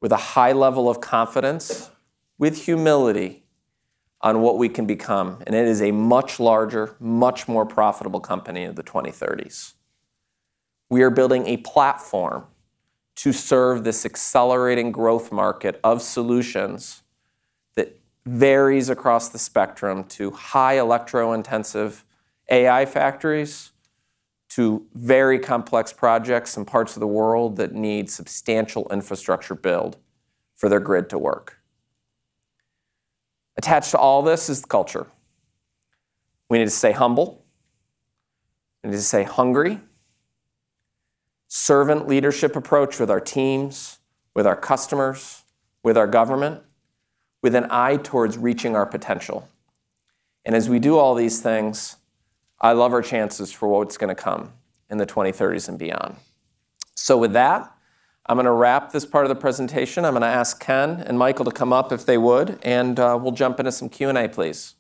with a high level of confidence, with humility on what we can become. And it is a much larger, much more profitable company in the 2030s. We are building a platform to serve this accelerating growth market of solutions that varies across the spectrum to high electro-intensive AI factories, to very complex projects in parts of the world that need substantial infrastructure build for their grid to work. Attached to all this is the culture. We need to stay humble. We need to stay hungry. Servant leadership approach with our teams, with our customers, with our government, with an eye towards reaching our potential. And as we do all these things, I love our chances for what's going to come in the 2030s and beyond. So with that, I'm going to wrap this part of the presentation. I'm going to ask Ken and Michael to come up if they would. And we'll jump into some Q&A, please.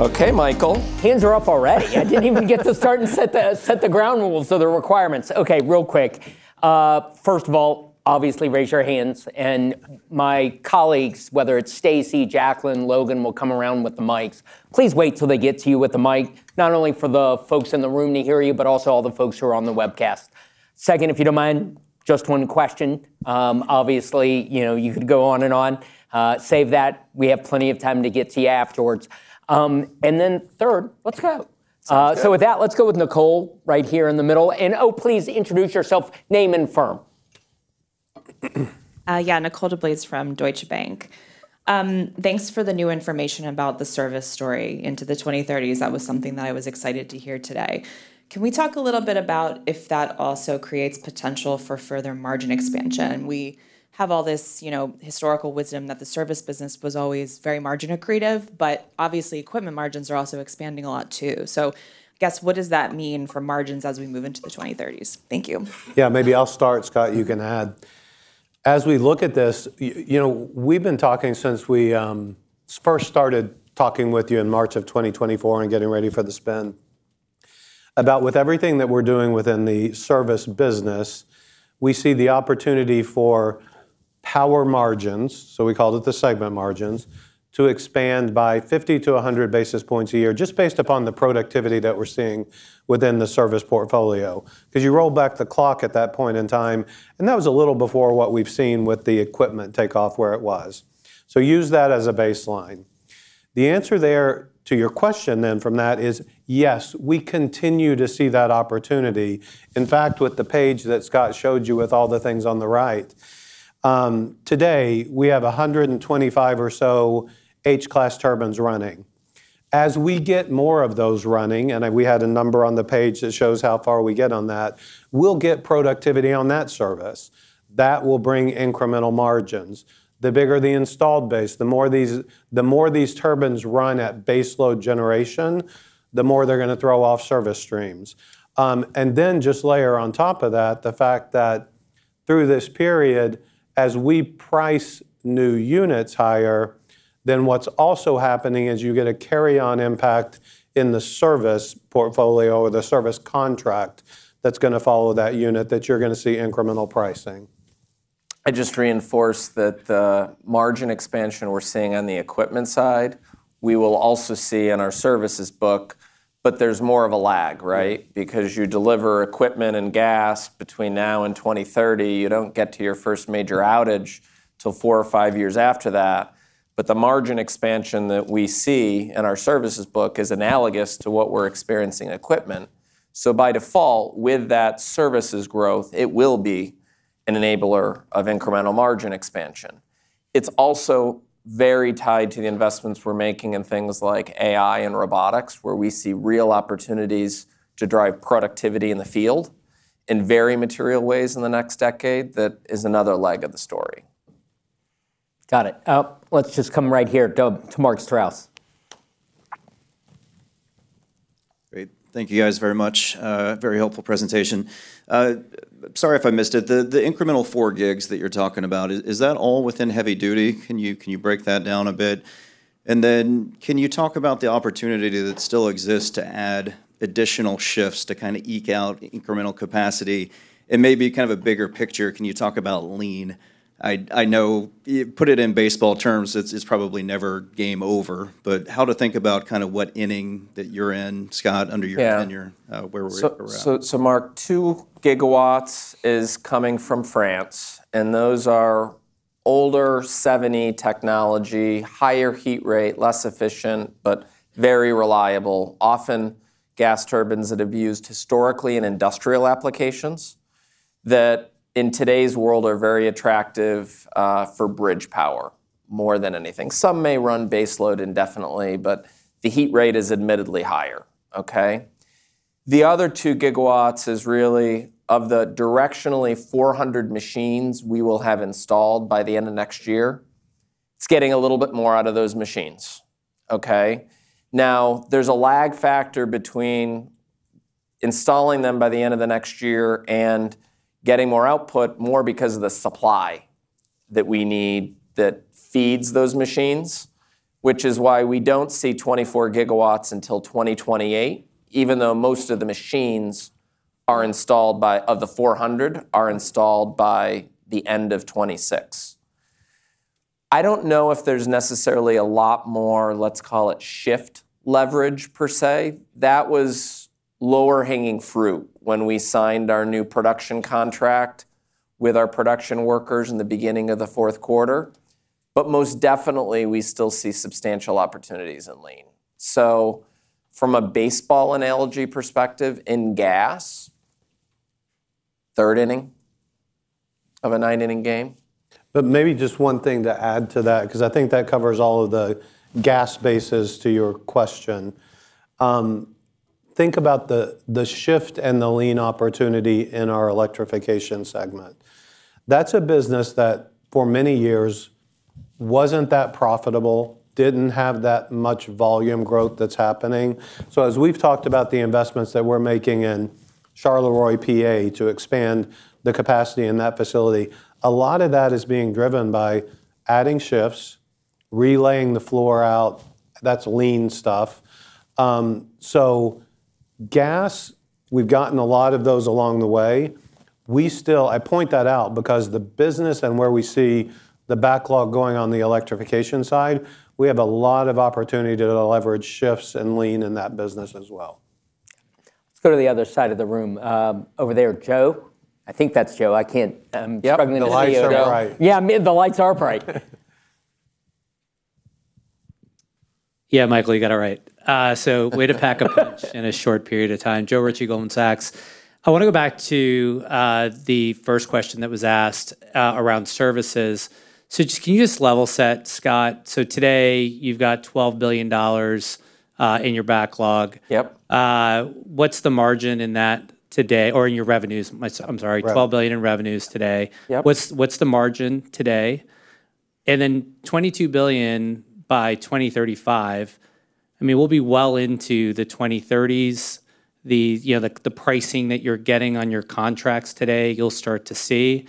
Thank you. Wow. Okay, Michael. Hands are up already. I didn't even get to start and set the ground rules of the requirements. Okay, real quick. First of all, obviously raise your hands. And my colleagues will come around with the mics. Please wait till they get to you with the mic, not only for the folks in the room to hear you, but also all the folks who are on the webcast. Second, if you don't mind, just one question. Obviously, you could go on and on. Save that. We have plenty of time to get to you afterwards. And then third, let's go. So with that, let's go with Nicole right here in the middle. And oh, please introduce yourself, name and firm. Yeah, Nicole DeBlase from Deutsche Bank. Thanks for the new information about the service story into the 2030s. That was something that I was excited to hear today. Can we talk a little bit about if that also creates potential for further margin expansion? We have all this historical wisdom that the service business was always very margin accretive, but obviously equipment margins are also expanding a lot too. So I guess what does that mean for margins as we move into the 2030s? Thank you. Yeah, maybe I'll start, Scott. You can add. As we look at this, we've been talking since we first started talking with you in March of 2024 and getting ready for the spin about with everything that we're doing within the service business, we see the opportunity for Power margins, so we called it the segment margins, to expand by 50-100 basis points a year, just based upon the productivity that we're seeing within the service portfolio. Because you roll back the clock at that point in time, and that was a little before what we've seen with the equipment takeoff where it was. So use that as a baseline. The answer there to your question then from that is yes, we continue to see that opportunity. In fact, with the page that Scott showed you with all the things on the right, today we have 125 or so H-Class turbines running. As we get more of those running, and we had a number on the page that shows how far we get on that, we'll get productivity on that service. That will bring incremental margins. The bigger the installed base, the more these turbines run at base load generation, the more they're going to throw off service streams. And then just layer on top of that the fact that through this period, as we price new units higher, then what's also happening is you get a carry-on impact in the service portfolio or the service contract that's going to follow that unit that you're going to see incremental pricing. I just reinforce that the margin expansion we're seeing on the equipment side, we will also see in our services book, but there's more of a lag, right? Because you deliver equipment and gas between now and 2030, you don't get to your first major outage till four or five years after that. But the margin expansion that we see in our services book is analogous to what we're experiencing in equipment. So by default, with that services growth, it will be an enabler of incremental margin expansion. It's also very tied to the investments we're making in things like AI and robotics, where we see real opportunities to drive productivity in the field in very material ways in the next decade. That is another leg of the story. Got it. Let's just come right here to Mark Strouse. Great. Thank you guys very much. Very helpful presentation. Sorry if I missed it. The incremental four GWs that you're talking about, is that all within heavy duty? Can you break that down a bit? And then can you talk about the opportunity that still exists to add additional shifts to kind of eke out incremental capacity? And maybe kind of a bigger picture, can you talk about Lean? I know, put it in baseball terms, it's probably never game over, but how to think about kind of what inning that you're in, Scott, under your tenure, where we're at. So Mark, two GW is coming from France, and those are older 7E technology, higher heat rate, less efficient, but very reliable. Often gas turbines that have used historically in industrial applications that in today's world are very attractive for bridge power more than anything. Some may run base load indefinitely, but the heat rate is admittedly higher. Okay? The other two GW is really of the directionally 400 machines we will have installed by the end of next year. It's getting a little bit more out of those machines. Okay? Now there's a lag factor between installing them by the end of the next year and getting more output, more because of the supply that we need that feeds those machines, which is why we don't see 24 GW until 2028, even though most of the 400 are installed by the end of 2026. I don't know if there's necessarily a lot more, let's call it shift leverage per se. That was lower hanging fruit when we signed our new production contract with our production workers in the beginning of the fourth quarter. But most definitely we still see substantial opportunities in Lean. So from a baseball analogy perspective in Gas, third inning of a nine-inning game. But maybe just one thing to add to that, because I think that covers all of the Gas bases to your question. Think about the shift and the Lean opportunity in our Electrification segment. That's a business that for many years wasn't that profitable, didn't have that much volume growth that's happening. So as we've talked about the investments that we're making in Charleroi, PA to expand the capacity in that facility, a lot of that is being driven by adding shifts, relaying the floor out. That's Lean stuff. So Gas, we've gotten a lot of those along the way. We still, I point that out because the business and where we see the backlog going on the Electrification side, we have a lot of opportunity to leverage shifts and Lean in that business as well. Let's go to the other side of the room. Over there, Joe. I think that's Joe. I can't. I'm struggling to see it. Yeah, the lights are bright. Yeah, Michael, you got it right. So way to pack a punch in a short period of time. Joe Ritchie, Goldman Sachs. I want to go back to the first question that was asked around services. So can you just level set, Scott? So today you've got $12 billion in your backlog. Yep. What's the margin in that today or in your revenues? I'm sorry, $12 billion in revenues today. What's the margin today? And then $22 billion by 2035. I mean, we'll be well into the 2030s. The pricing that you're getting on your contracts today, you'll start to see.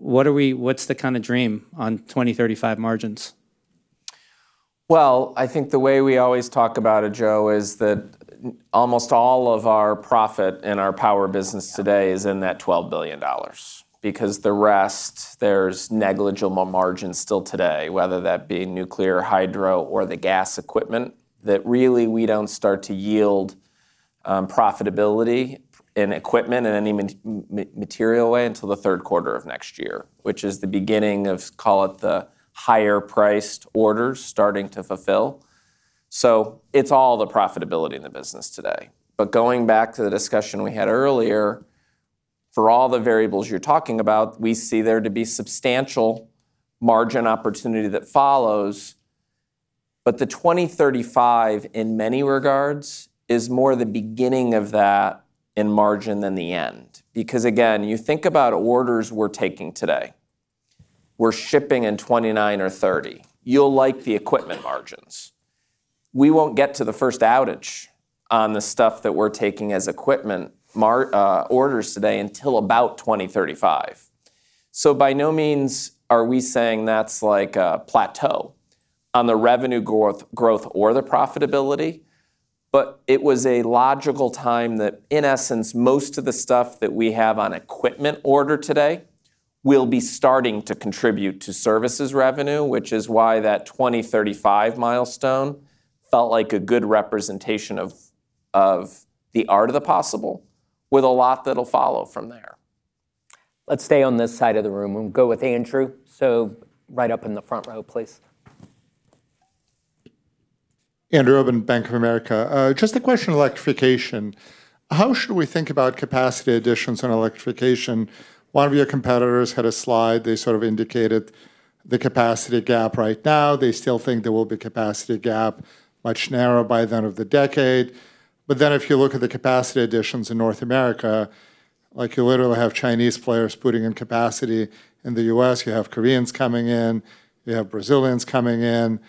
What's the kind of dream on 2035 margins? I think the way we always talk about it, Joe, is that almost all of our profit in our Power business today is in that $12 billion, because the rest, there's negligible margins still today, whether that be Nuclear, Hydro, or the Gas equipment that really we don't start to yield profitability in equipment in any material way until the third quarter of next year, which is the beginning of, call it the higher priced orders starting to fulfill. So it's all the profitability in the business today. But going back to the discussion we had earlier, for all the variables you're talking about, we see there to be substantial margin opportunity that follows. But the 2035 in many regards is more the beginning of that in margin than the end. Because again, you think about orders we're taking today. We're shipping in 2029 or 2030. You'll like the equipment margins. We won't get to the first outage on the stuff that we're taking as equipment orders today until about 2035. So by no means are we saying that's like a plateau on the revenue growth or the profitability. But it was a logical time that in essence, most of the stuff that we have on equipment order today will be starting to contribute to services revenue, which is why that 2035 milestone felt like a good representation of the art of the possible with a lot that'll follow from there. Let's stay on this side of the room. We'll go with Andrew. So right up in the front row, please. Andrew Obin, Bank of America. Just a question on Electrification. How should we think about capacity additions and Electrification? One of your competitors had a slide. They sort of indicated the capacity gap right now. They still think there will be a capacity gap much narrower by the end of the decade. But then if you look at the capacity additions in North America, like you literally have Chinese players putting in capacity in the U.S., you have Koreans coming in, you have Brazilians coming in.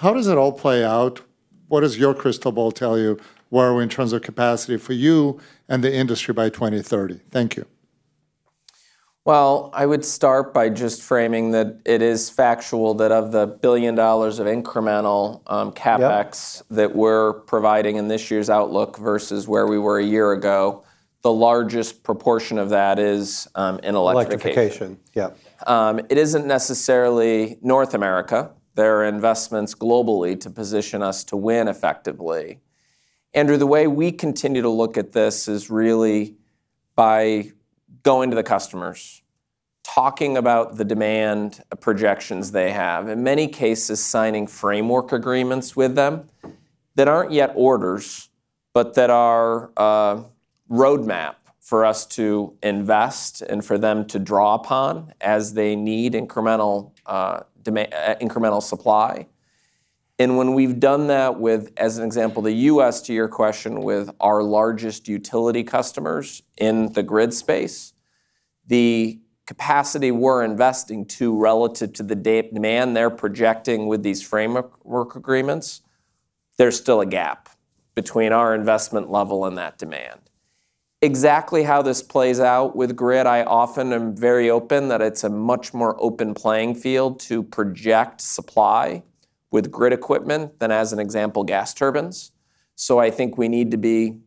How does it all play out? What does your crystal ball tell you? Where are we in terms of capacity for you and the industry by 2030? Thank you. Well, I would start by just framing that it is factual that of the $1 billion of incremental CapEx that we're providing in this year's outlook versus where we were a year ago, the largest proportion of that is in Electrification. Yeah. It isn't necessarily North America. There are investments globally to position us to win effectively. Andrew, the way we continue to look at this is really by going to the customers, talking about the demand projections they have, in many cases signing framework agreements with them that aren't yet orders, but that are roadmap for us to invest and for them to draw upon as they need incremental supply. And when we've done that with, as an example, the U.S., to your question with our largest utility customers in the grid space, the capacity we're investing to relative to the demand they're projecting with these framework agreements, there's still a gap between our investment level and that demand. Exactly how this plays out with grid, I often am very open that it's a much more open playing field to project supply with grid equipment than, as an example, gas turbines. So I think we need to be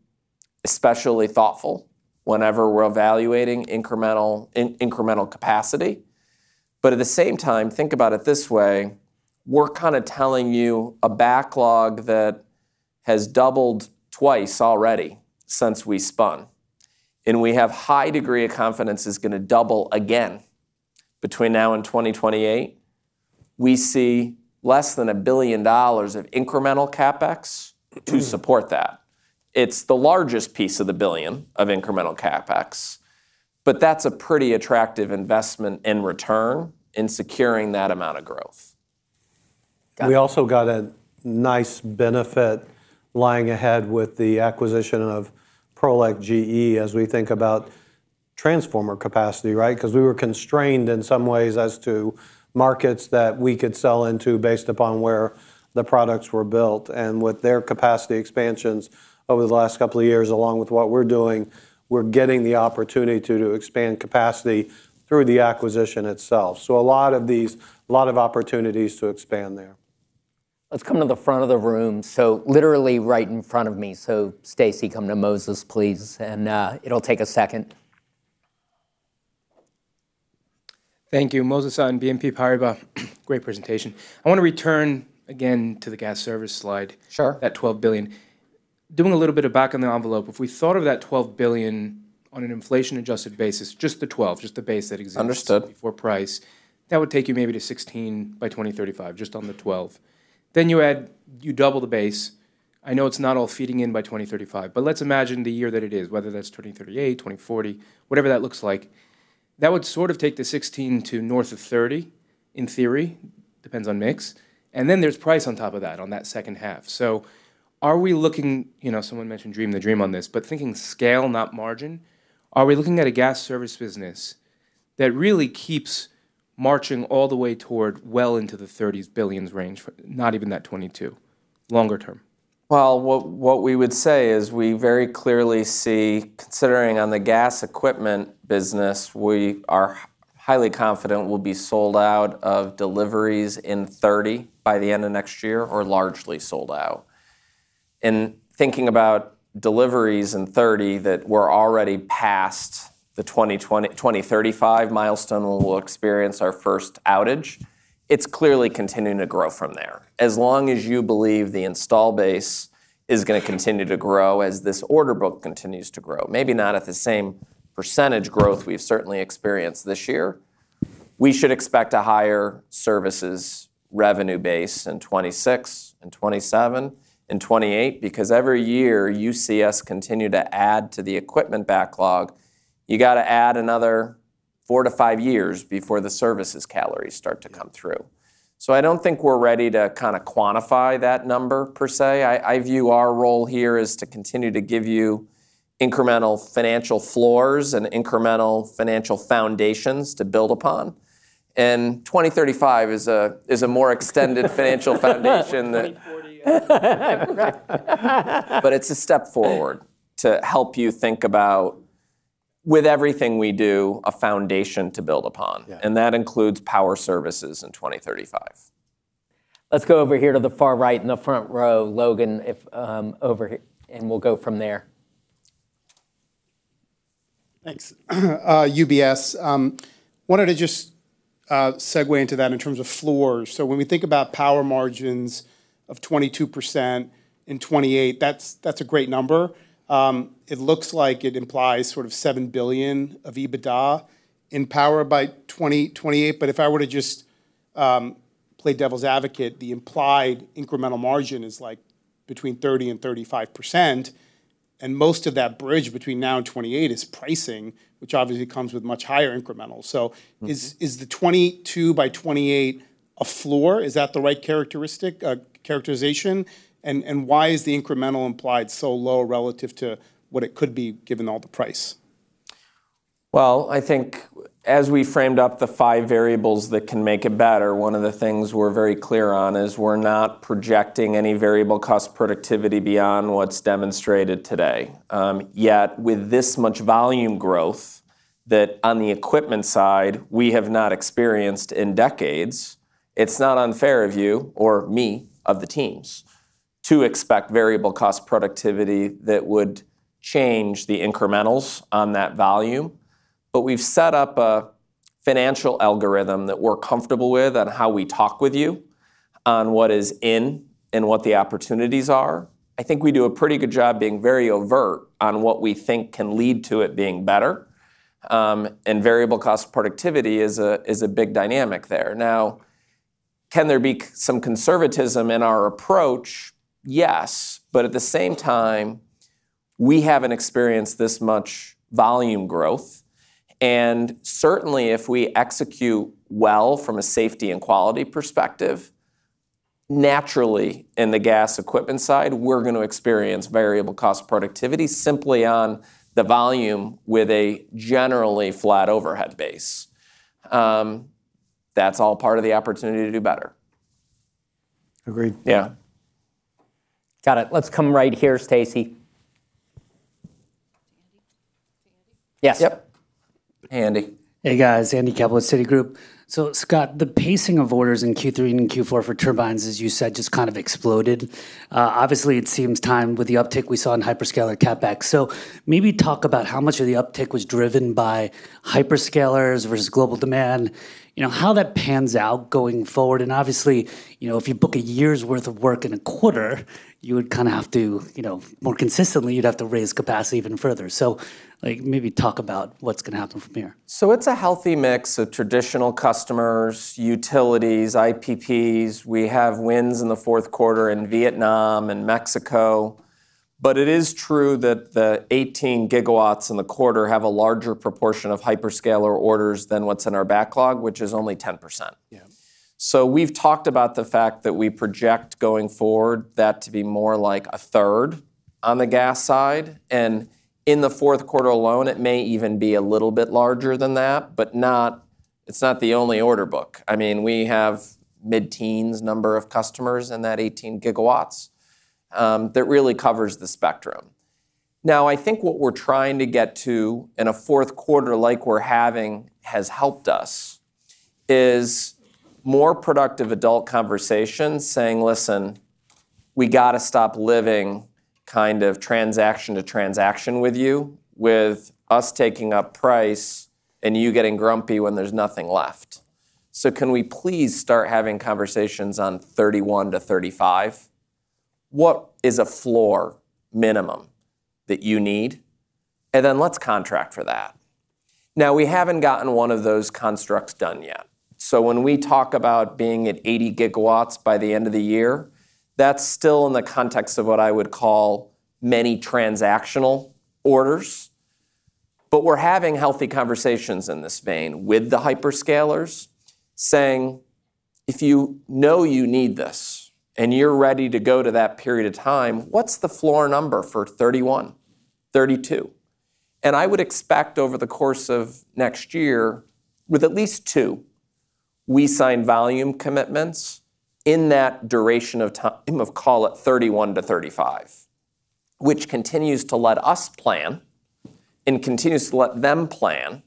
especially thoughtful whenever we're evaluating incremental capacity. But at the same time, think about it this way. We're kind of telling you a backlog that has doubled twice already since we spun. And we have high degree of confidence it's going to double again between now and 2028. We see less than $1 billion of incremental CapEx to support that. It's the largest piece of the $1 billion of incremental CapEx. But that's a pretty attractive investment in return in securing that amount of growth. We also got a nice benefit lying ahead with the acquisition of Prolec GE as we think about transformer capacity, right? Because we were constrained in some ways as to markets that we could sell into based upon where the products were built. And with their capacity expansions over the last couple of years, along with what we're doing, we're getting the opportunity to expand capacity through the acquisition itself. So a lot of these opportunities to expand there. Let's come to the front of the room. Literally right in front of me. come to Moses, please. It'll take a second. Thank you. Moses on BNP Paribas. Great presentation. I want to return again to the Gas Service slide. Sure. That $12 billion. Doing a little bit of back-of-the-envelope, if we thought of that $12 billion on an inflation-adjusted basis, just the $12, just the base that exists. Understood. Before price. That would take you maybe to $16 billion by 2035, just on the $12 billion. Then you add, you double the base. I know it's not all feeding in by 2035, but let's imagine the year that it is, whether that's 2038, 2040, whatever that looks like. That would sort of take the $16 billion to north of $30 billion in theory. Depends on mix. And then there's price on top of that on that second half. So are we looking, you know, someone mentioned dream the dream on this, but thinking scale, not margin, are we looking at a Gas Service business that really keeps marching all the way toward well into the $30 billion range, not even that $22 longer term? Well, what we would say is we very clearly see, considering on the Gas Equipment business, we are highly confident we'll be sold out of deliveries in 2030 by the end of next year or largely sold out. And thinking about deliveries in 2030 that were already past the 2035 milestone when we'll experience our first outage, it's clearly continuing to grow from there. As long as you believe the installed base is going to continue to grow as this order book continues to grow, maybe not at the same percentage growth we've certainly experienced this year, we should expect a higher services revenue base in 2026 and 2027 and 2028, because every year you see us continue to add to the equipment backlog. You got to add another four to five years before the services dollars start to come through. So I don't think we're ready to kind of quantify that number per se. I view our role here as to continue to give you incremental financial floors and incremental financial foundations to build upon. And 2035 is a more extended financial foundation than but it's a step forward to help you think about, with everything we do, a foundation to build upon. And that includes Power services in 2035. Let's go over here to the far right in the front row, if over here, and we'll go from there. Thanks. UBS. Wanted to just segue into that in terms of floors. So when we think about Power margins of 22% in 2028, that's a great number. It looks like it implies sort of $7 billion of EBITDA in Power by 2028. But if I were to just play devil's advocate, the implied incremental margin is like between 30%-35%. And most of that bridge between now and 2028 is pricing, which obviously comes with much higher incremental. So is the $22 by 2028 a floor? Is that the right characterization? And why is the incremental implied so low relative to what it could be given all the price? I think as we framed up the five variables that can make it better, one of the things we're very clear on is we're not projecting any variable cost productivity beyond what's demonstrated today. Yet with this much volume growth that on the equipment side, we have not experienced in decades, it's not unfair of you or me of the teams to expect variable cost productivity that would change the incrementals on that volume. But we've set up a financial algorithm that we're comfortable with on how we talk with you on what is in and what the opportunities are. I think we do a pretty good job being very overt on what we think can lead to it being better, and variable cost productivity is a big dynamic there. Now, can there be some conservatism in our approach? Yes. But at the same time, we haven't experienced this much volume growth. And certainly, if we execute well from a safety and quality perspective, naturally, in the Gas Equipment side, we're going to experience variable cost productivity simply on the volume with a generally flat overhead base. That's all part of the opportunity to do better. Agreed. Yeah. Got it. Let's come right here. Yes. Yep. Hey, Andy. Hey, guys. Andy Kaplowitz, Citigroup. So, Scott, the pacing of orders in Q3 and Q4 for turbines, as you said, just kind of exploded. Obviously, it seems timed with the uptick we saw in hyperscalers CapEx. So maybe talk about how much of the uptick was driven by hyperscalers versus global demand, you know, how that pans out going forward. And obviously, you know, if you book a year's worth of work in a quarter, you would kind of have to, you know, more consistently, you'd have to raise capacity even further. So maybe talk about what's going to happen from here. So it's a healthy mix of traditional customers, utilities, IPPs. We have wins in the fourth quarter in Vietnam and Mexico. But it is true that the 18 GW in the quarter have a larger proportion of hyperscaler orders than what's in our backlog, which is only 10%. Yeah. So we've talked about the fact that we project going forward that to be more like a third on the Gas side. And in the fourth quarter alone, it may even be a little bit larger than that, but it's not the only order book. I mean, we have mid-teens number of customers in that 18 GW that really covers the spectrum. Now, I think what we're trying to get to in a fourth quarter like we're having has helped us is more productive adult conversation saying, "Listen, we got to stop living kind of transaction-to-transaction with you, with us taking up price and you getting grumpy when there's nothing left. So can we please start having conversations on 2031 to 2035? What is a floor minimum that you need? And then let's contract for that." Now, we haven't gotten one of those constructs done yet. So when we talk about being at 80 GW by the end of the year, that's still in the context of what I would call many transactional orders. But we're having healthy conversations in this vein with the hyperscalers saying, "If you know you need this and you're ready to go to that period of time, what's the floor number for 2031, 2032?" And I would expect over the course of next year, with at least two, we sign volume commitments in that duration of time, of call it 2031 to 2035, which continues to let us plan and continues to let them plan.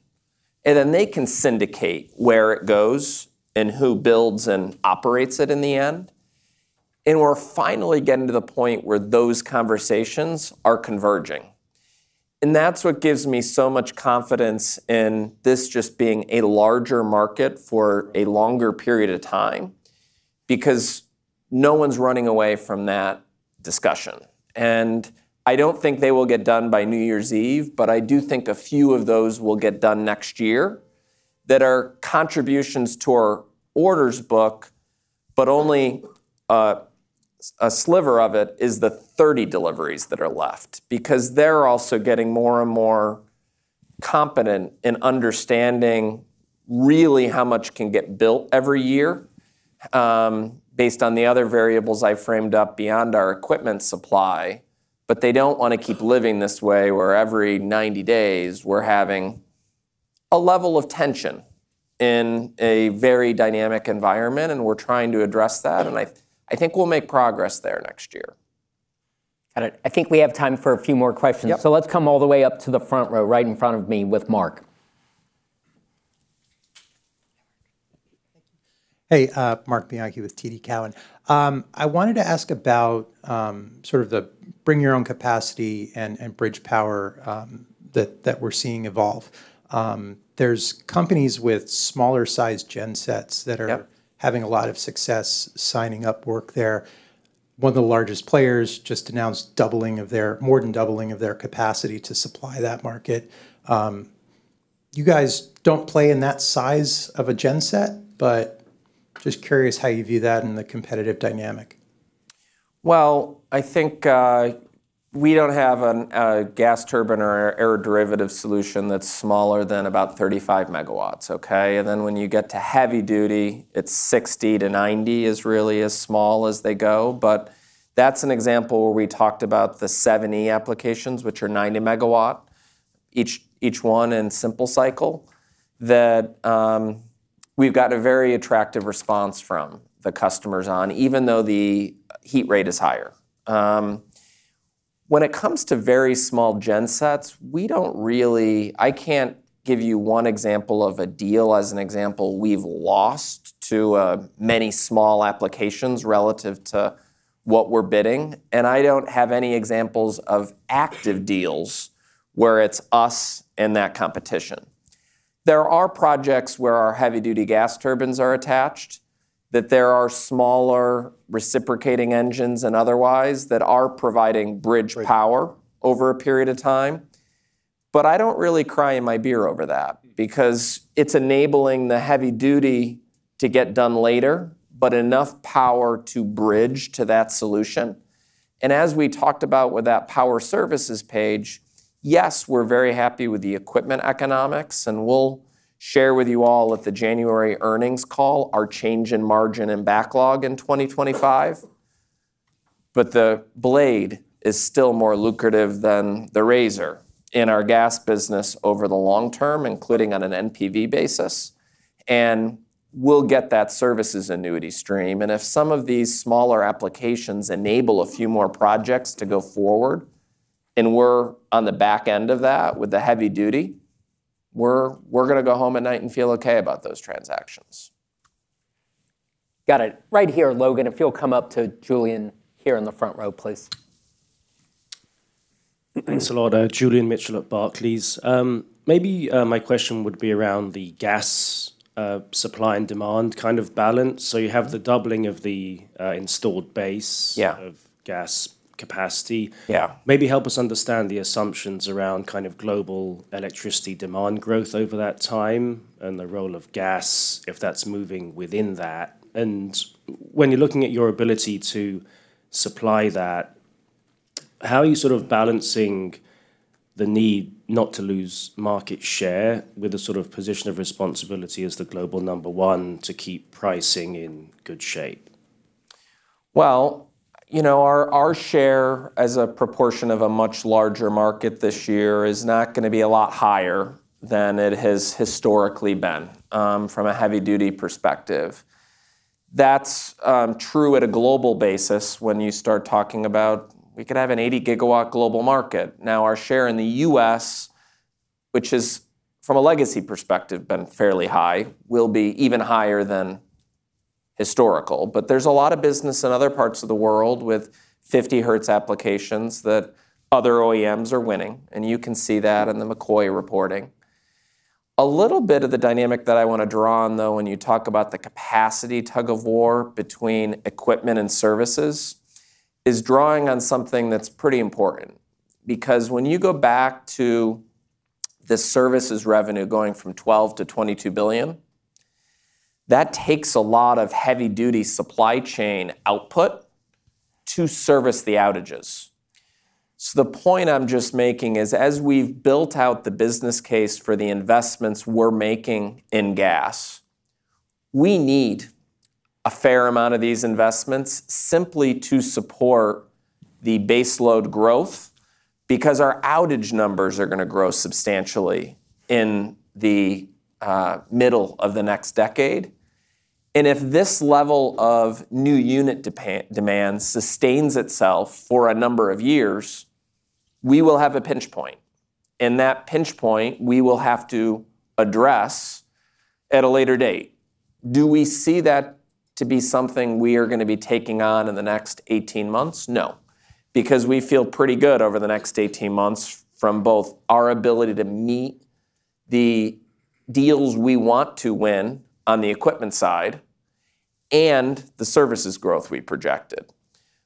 And then they can syndicate where it goes and who builds and operates it in the end. And we're finally getting to the point where those conversations are converging. And that's what gives me so much confidence in this just being a larger market for a longer period of time because no one's running away from that discussion. And I don't think they will get done by New Year's Eve, but I do think a few of those will get done next year that are contributions to our orders book, but only a sliver of it is the 30 deliveries that are left because they're also getting more and more competent in understanding really how much can get built every year based on the other variables I framed up beyond our equipment supply. But they don't want to keep living this way where every 90 days we're having a level of tension in a very dynamic environment, and we're trying to address that. And I think we'll make progress there next year. Got it. I think we have time for a few more questions. So let's come all the way up to the front row right in front of me with Marc. Hey, Marc Bianchi with TD Cowen. I wanted to ask about sort of the bring your own capacity and bridge power that we're seeing evolve. There's companies with smaller size gensets that are having a lot of success signing up work there. One of the largest players just announced more than doubling of their capacity to supply that market. You guys don't play in that size of a genset, but just curious how you view that in the competitive dynamic. I think we don't have a gas turbine or aeroderivative solution that's smaller than about 35 MW, okay? And then when you get to heavy duty, it's 60 to 90 is really as small as they go. But that's an example where we talked about the 7E applications, which are 90 MW each one in simple cycle that we've got a very attractive response from the customers on, even though the heat rate is higher. When it comes to very small gensets, we don't really. I can't give you one example of a deal as an example. We've lost to many small applications relative to what we're bidding. And I don't have any examples of active deals where it's us in that competition. There are projects where our heavy-duty gas turbines are attached, there are smaller reciprocating engines and otherwise that are providing bridge power over a period of time. But I don't really cry in my beer over that because it's enabling the heavy duty to get done later, but enough power to bridge to that solution. As we talked about with that Power services page, yes, we're very happy with the equipment economics, and we'll share with you all at the January earnings call our change in margin and backlog in 2025. But the blade is still more lucrative than the razor in our gas business over the long term, including on an NPV basis. And we'll get that services annuity stream. And if some of these smaller applications enable a few more projects to go forward and we're on the back end of that with the heavy duty, we're going to go home at night and feel okay about those transactions. Got it. Right here, if you'll come up to Julian here in the front row, please. Thanks a lot. Julian Mitchell at Barclays. Maybe my question would be around the Gas supply and demand kind of balance. So you have the doubling of the installed base of Gas capacity. Yeah. Maybe help us understand the assumptions around kind of global electricity demand growth over that time and the role of Gas if that's moving within that. And when you're looking at your ability to supply that, how are you sort of balancing the need not to lose market share with a sort of position of responsibility as the global number one to keep pricing in good shape? Well, you know, our share as a proportion of a much larger market this year is not going to be a lot higher than it has historically been from a heavy-duty perspective. That's true at a global basis when you start talking about we could have an 80-GW global market. Now, our share in the U.S., which has from a legacy perspective been fairly high, will be even higher than historical. But there's a lot of business in other parts of the world with 50 Hz applications that other OEMs are winning. And you can see that in the McCoy reporting. A little bit of the dynamic that I want to draw on, though, when you talk about the capacity tug of war between equipment and services is drawing on something that's pretty important. Because when you go back to the services revenue going from $12 billion to $22 billion, that takes a lot of heavy-duty supply chain output to service the outages. The point I'm just making is as we've built out the business case for the investments we're making in Gas, we need a fair amount of these investments simply to support the baseload growth because our outage numbers are going to grow substantially in the middle of the next decade. If this level of new unit demand sustains itself for a number of years, we will have a pinch point. That pinch point, we will have to address at a later date. Do we see that to be something we are going to be taking on in the next 18 months? No. Because we feel pretty good over the next 18 months from both our ability to meet the deals we want to win on the equipment side and the services growth we projected.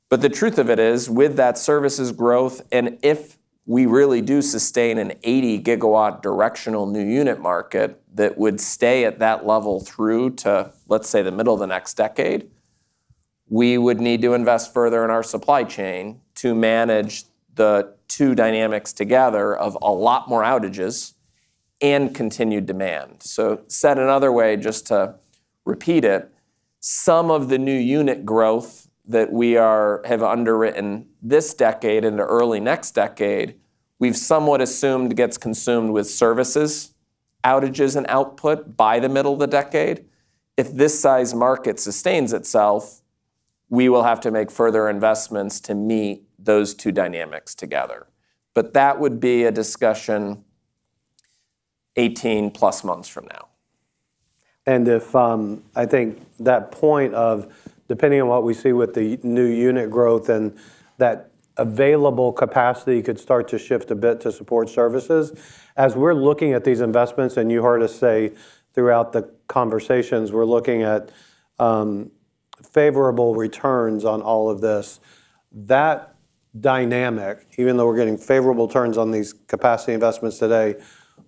But the truth of it is with that services growth, and if we really do sustain an 80-GW directional new unit market that would stay at that level through to, let's say, the middle of the next decade, we would need to invest further in our supply chain to manage the two dynamics together of a lot more outages and continued demand. So said another way, just to repeat it, some of the new unit growth that we have underwritten this decade and the early next decade, we've somewhat assumed gets consumed with services, outages, and output by the middle of the decade. If this size market sustains itself, we will have to make further investments to meet those two dynamics together. But that would be a discussion 18 plus months from now. And if I think that point of depending on what we see with the new unit growth and that available capacity could start to shift a bit to support services, as we're looking at these investments, and you heard us say throughout the conversations, we're looking at favorable returns on all of this, that dynamic, even though we're getting favorable returns on these capacity investments today,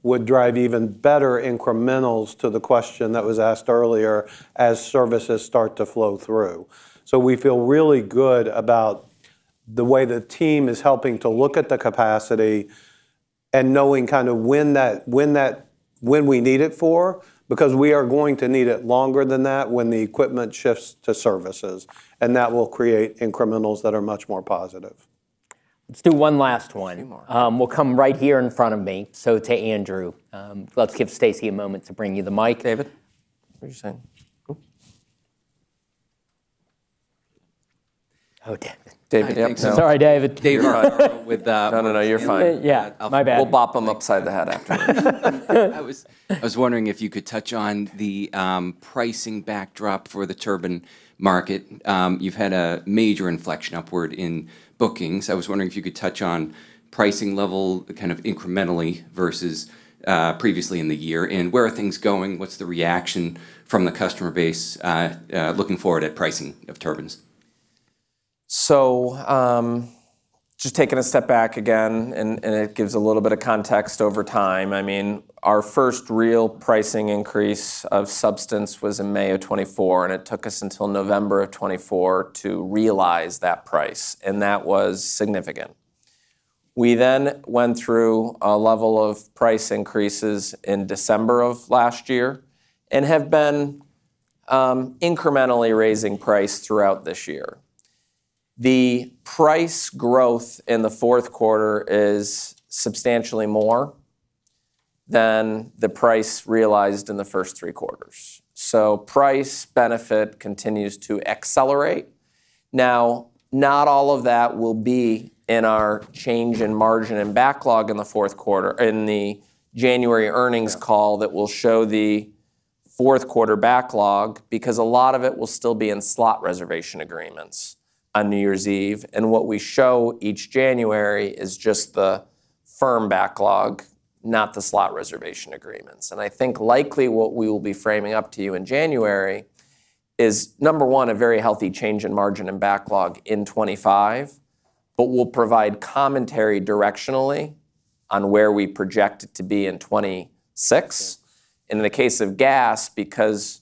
would drive even better incrementals to the question that was asked earlier as services start to flow through. So we feel really good about the way the team is helping to look at the capacity and knowing kind of when we need it for, because we are going to need it longer than that when the equipment shifts to services. And that will create incrementals that are much more positive. Let's do one last one. We'll come right here in front of me. Let's give a moment to bring you the mic. Yeah, my bad. We'll bop them upside the head afterwards. I was wondering if you could touch on the pricing backdrop for the turbine market. You've had a major inflection upward in bookings. I was wondering if you could touch on pricing level kind of incrementally versus previously in the year. And where are things going? What's the reaction from the customer base looking forward at pricing of turbines? So just taking a step back again, and it gives a little bit of context over time. I mean, our first real pricing increase of substance was in May of 2024, and it took us until November of 2024 to realize that price. That was significant. We then went through a level of price increases in December of last year and have been incrementally raising price throughout this year. The price growth in the fourth quarter is substantially more than the price realized in the first three quarters. Price benefit continues to accelerate. Now, not all of that will be in our change in margin and backlog in the fourth quarter in the January earnings call that will show the fourth quarter backlog because a lot of it will still be in slot reservation agreements on New Year's Eve. What we show each January is just the firm backlog, not the slot reservation agreements. I think likely what we will be framing up to you in January is, number one, a very healthy change in margin and backlog in 2025, but we'll provide commentary directionally on where we project it to be in 2026. In the case of Gas, because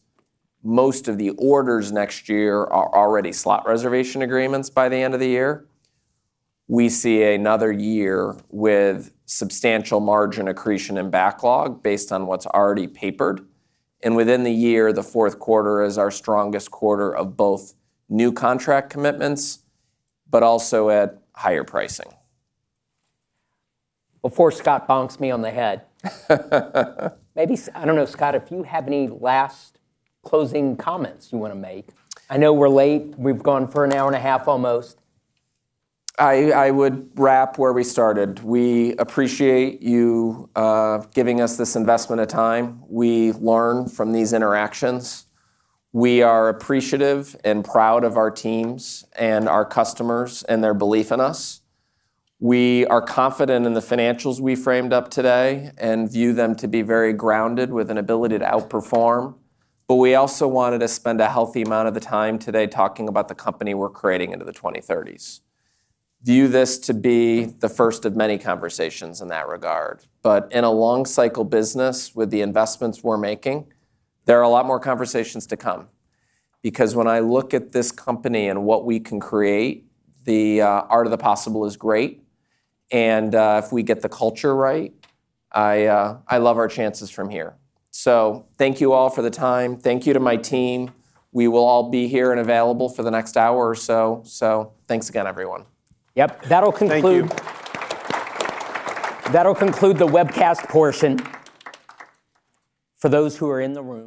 most of the orders next year are already slot reservation agreements by the end of the year, we see another year with substantial margin accretion and backlog based on what's already papered. Within the year, the fourth quarter is our strongest quarter of both new contract commitments, but also at higher pricing. Before Scott bonks me on the head. Maybe, I don't know, Scott, if you have any last closing comments you want to make? I know we're late. We've gone for an hour-and-a-half almost. I would wrap where we started. We appreciate you giving us this investment of time. We learn from these interactions. We are appreciative and proud of our teams and our customers and their belief in us. We are confident in the financials we framed up today and view them to be very grounded with an ability to outperform. But we also wanted to spend a healthy amount of the time today talking about the company we're creating into the 2030s. View this to be the first of many conversations in that regard. But in a long-cycle business with the investments we're making, there are a lot more conversations to come. Because when I look at this company and what we can create, the art of the possible is great. And if we get the culture right, I love our chances from here. So thank you all for the time. Thank you to my team. We will all be here and available for the next hour or so. So thanks again, everyone. Yep. That'll conclude. Thank you. That'll conclude the webcast portion for those who are in the room.